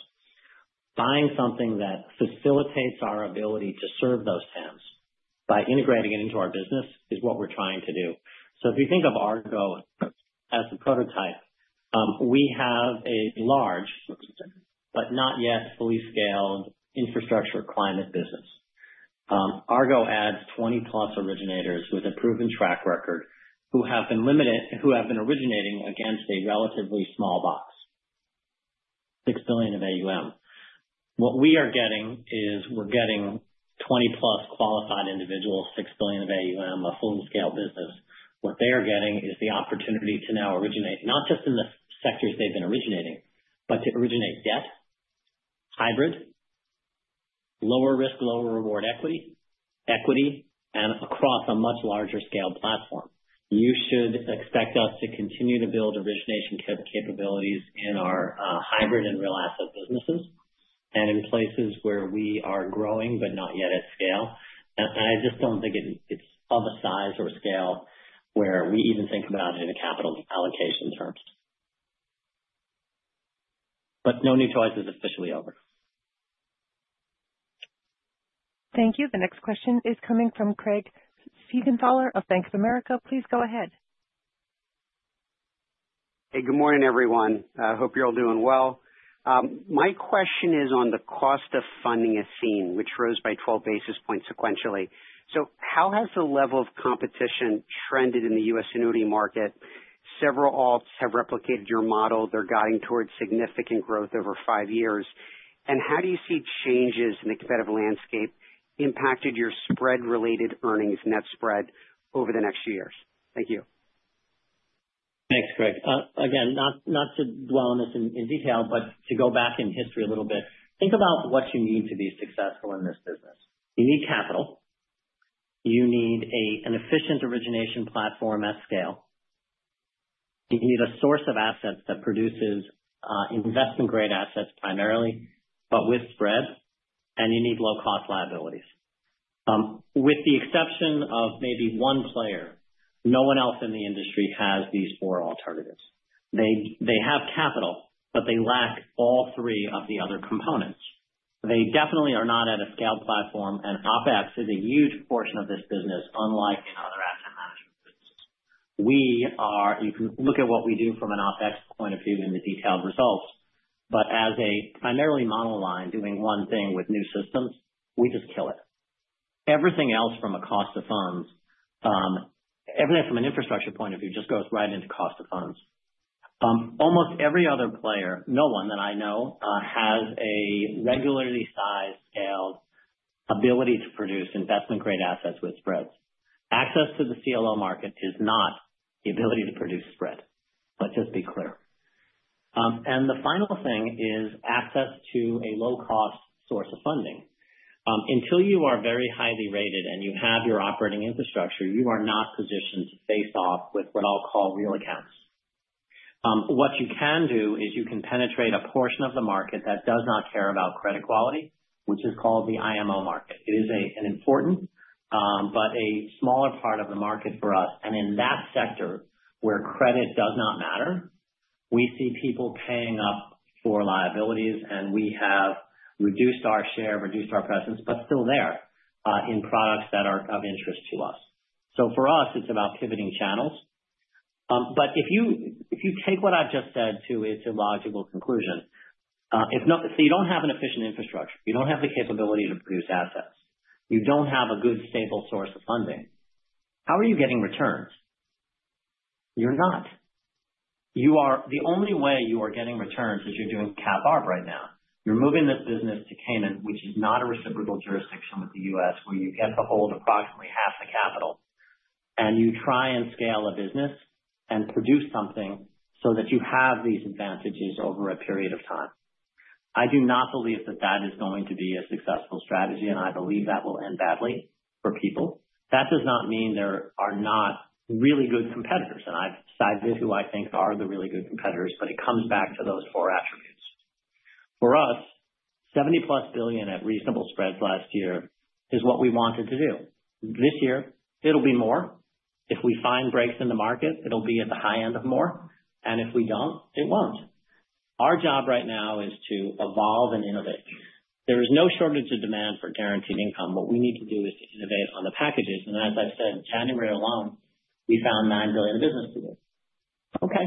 Buying something that facilitates our ability to serve those TAMs by integrating it into our business is what we're trying to do. So if you think of Aergo as a prototype, we have a large, but not yet fully scaled infrastructure credit business. Aergo adds 20+ originators with a proven track record who have been originating against a relatively small box, $6 billion of AUM. What we are getting is we're getting 20+ qualified individuals, $6 billion of AUM, a fully scaled business. What they are getting is the opportunity to now originate not just in the sectors they've been originating, but to originate debt, hybrid, lower risk, lower reward equity, and across a much larger scale platform. You should expect us to continue to build origination capabilities in our hybrid and real asset businesses and in places where we are growing but not yet at scale, and I just don't think it's of a size or scale where we even think about it in capital allocation terms, but no new toys is officially over. Thank you. The next question is coming from Craig Siegenthaler of Bank of America. Please go ahead. Hey, good morning, everyone. I hope you're all doing well. My question is on the cost of funding Athene, which rose by 12 basis points sequentially. How has the level of competition trended in the U.S. annuity market? Several alts have replicated your model. They're guiding towards significant growth over five years. How do you see changes in the competitive landscape impacted your Spread-Related Earnings net spread over the next few years? Thank you. Thanks, Craig. Again, not to dwell on this in detail, but to go back in history a little bit, think about what you need to be successful in this business. You need capital. You need an efficient origination platform at scale. You need a source of assets that produces investment-grade assets primarily, but with spread. And you need low-cost liabilities. With the exception of maybe one player, no one else in the industry has these four alternatives. They have capital, but they lack all three of the other components. They definitely are not at a scaled platform, and OpEx is a huge portion of this business, unlike in other asset management businesses. You can look at what we do from an OpEx point of view and the detailed results, but as a primarily model line doing one thing with new systems, we just kill it. Everything else from a cost of funds, everything from an infrastructure point of view, just goes right into cost of funds. Almost every other player, no one that I know, has a regularly sized scaled ability to produce investment-grade assets with spreads. Access to the CLO market is not the ability to produce spread, but just be clear and the final thing is access to a low-cost source of funding. Until you are very highly rated and you have your operating infrastructure, you are not positioned to face off with what I'll call real accounts. What you can do is you can penetrate a portion of the market that does not care about credit quality, which is called the IMO market. It is an important, but a smaller part of the market for us. In that sector where credit does not matter, we see people paying up for liabilities, and we have reduced our share, reduced our presence, but still there in products that are of interest to us. So for us, it's about pivoting channels. But if you take what I've just said to its illogical conclusion, if you don't have an efficient infrastructure, you don't have the capability to produce assets, you don't have a good stable source of funding, how are you getting returns? You're not. The only way you are getting returns is you're doing cap-arb right now. You're moving this business to Cayman, which is not a reciprocal jurisdiction with the U.S., where you get to hold approximately half the capital, and you try and scale a business and produce something so that you have these advantages over a period of time. I do not believe that that is going to be a successful strategy, and I believe that will end badly for people. That does not mean there are not really good competitors, and I've cited who I think are the really good competitors, but it comes back to those four attributes. For us, $70-plus billion at reasonable spreads last year is what we wanted to do. This year, it'll be more. If we find breaks in the market, it'll be at the high end of more, and if we don't, it won't. Our job right now is to evolve and innovate. There is no shortage of demand for guaranteed income. What we need to do is to innovate on the packages, and as I said, January alone, we found $9 billion of business to do. Okay.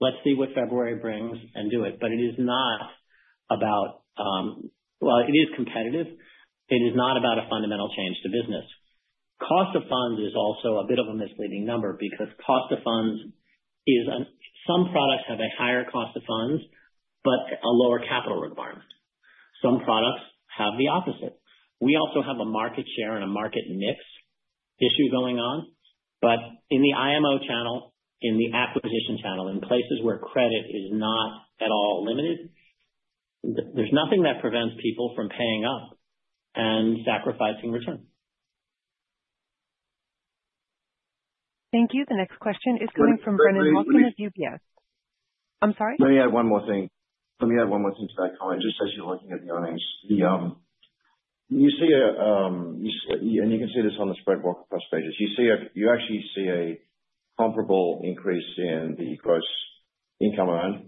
Let's see what February brings and do it. But it is not about, well, it is competitive. It is not about a fundamental change to business. Cost of funds is also a bit of a misleading number because cost of funds is some products have a higher cost of funds, but a lower capital requirement. Some products have the opposite. We also have a market share and a market mix issue going on. But in the IMO channel, in the acquisition channel, in places where credit is not at all limited, there's nothing that prevents people from paying up and sacrificing return. Thank you. The next question is coming from Brennan Hawken of UBS. I'm sorry? Let me add one more thing to that comment. Just as you're looking at the earnings, you see, and you can see this on the spread work across pages. You actually see a comparable increase in the gross income earned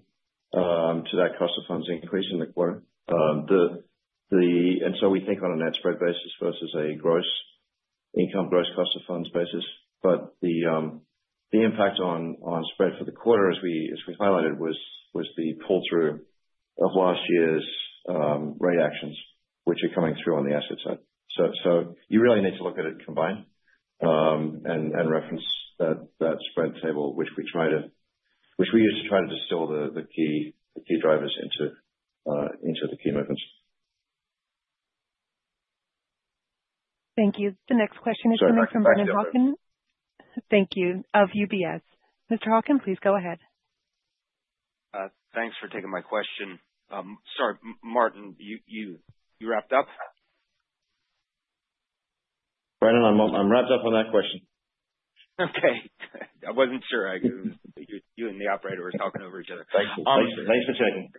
to that cost of funds increase in the quarter, and so we think on a net spread basis versus a gross income, gross cost of funds basis, but the impact on spread for the quarter, as we highlighted, was the pull-through of last year's rate actions, which are coming through on the asset side, so you really need to look at it combined and reference that spread table, which we used to try to distill the key drivers into the key movements. Thank you. The next question is coming from Brennan Hawken. Thank you. Of UBS. Mr. Hawken, please go ahead. Thanks for taking my question. Sorry, Martin, you wrapped up? Brendan, I'm wrapped up on that question. Okay. I wasn't sure. You and the operator were talking over each other. Thanks for checking.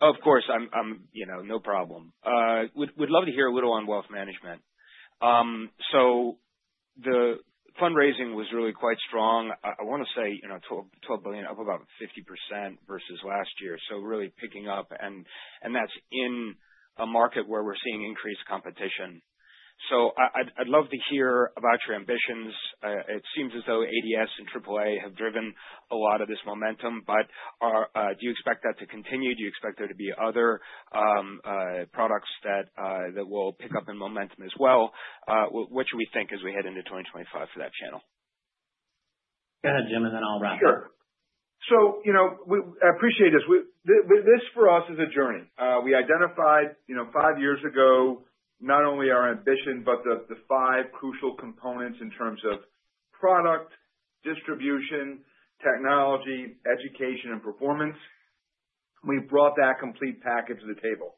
Of course. No problem. We'd love to hear a little on wealth management. So the fundraising was really quite strong. I want to say $12 billion up about 50% versus last year. So really picking up. And that's in a market where we're seeing increased competition. So I'd love to hear about your ambitions. It seems as though ADS and AAA have driven a lot of this momentum, but do you expect that to continue? Do you expect there to be other products that will pick up in momentum as well? What should we think as we head into 2025 for that channel? Go ahead, Jim, and then I'll wrap up. Sure. So I appreciate this. This, for us, is a journey. We identified five years ago not only our ambition, but the five crucial components in terms of product, distribution, technology, education, and performance. We brought that complete package to the table.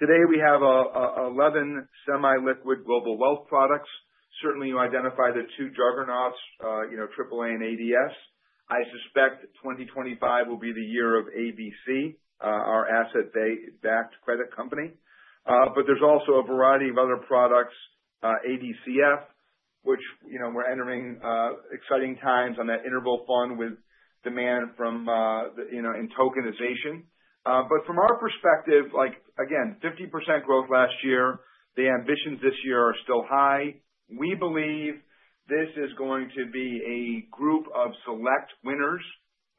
Today, we have 11 semi-liquid global wealth products. Certainly, you identified the two juggernauts, AAA and ADS. I suspect 2025 will be the year of ABC, our asset-backed credit company, but there's also a variety of other products, ADCF, which we're entering exciting times on that interval fund with demand from institutions in tokenization, but from our perspective, again, 50% growth last year. The ambitions this year are still high. We believe this is going to be a group of select winners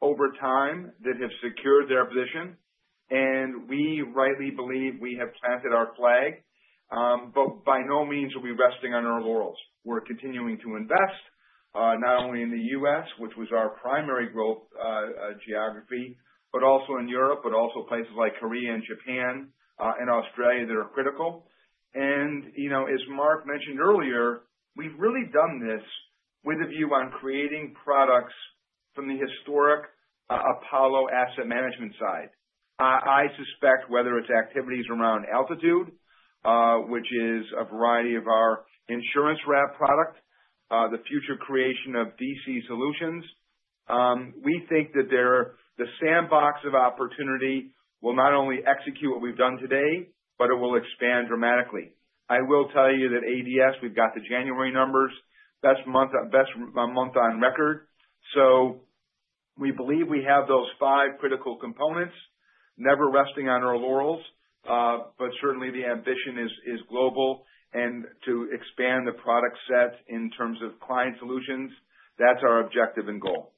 over time that have secured their position, and we rightly believe we have planted our flag, but by no means are we resting on our laurels. We're continuing to invest, not only in the U.S., which was our primary growth geography, but also in Europe, but also places like Korea and Japan and Australia that are critical. And as Marc mentioned earlier, we've really done this with a view on creating products from the historic Apollo asset management side. I suspect whether it's activities around Altitude, which is a variety of our insurance wrap product, the future creation of DC Solutions, we think that the sandbox of opportunity will not only execute what we've done today, but it will expand dramatically. I will tell you that ADS, we've got the January numbers, best month on record. So we believe we have those five critical components, never resting on our laurels, but certainly the ambition is global. And to expand the product set in terms of client solutions, that's our objective and goal.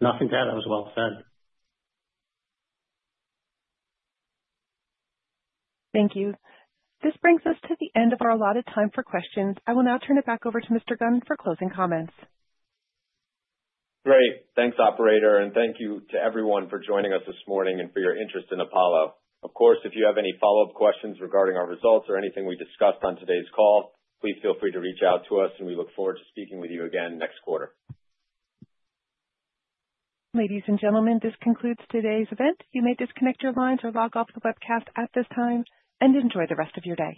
Nothing to add. That was well said. Thank you. This brings us to the end of our allotted time for questions. I will now turn it back over to Mr. Gunn for closing comments. Great. Thanks, operator. And thank you to everyone for joining us this morning and for your interest in Apollo. Of course, if you have any follow-up questions regarding our results or anything we discussed on today's call, please feel free to reach out to us, and we look forward to speaking with you again next quarter. Ladies and gentlemen, this concludes today's event. You may disconnect your lines or log off the webcast at this time and enjoy the rest of your day.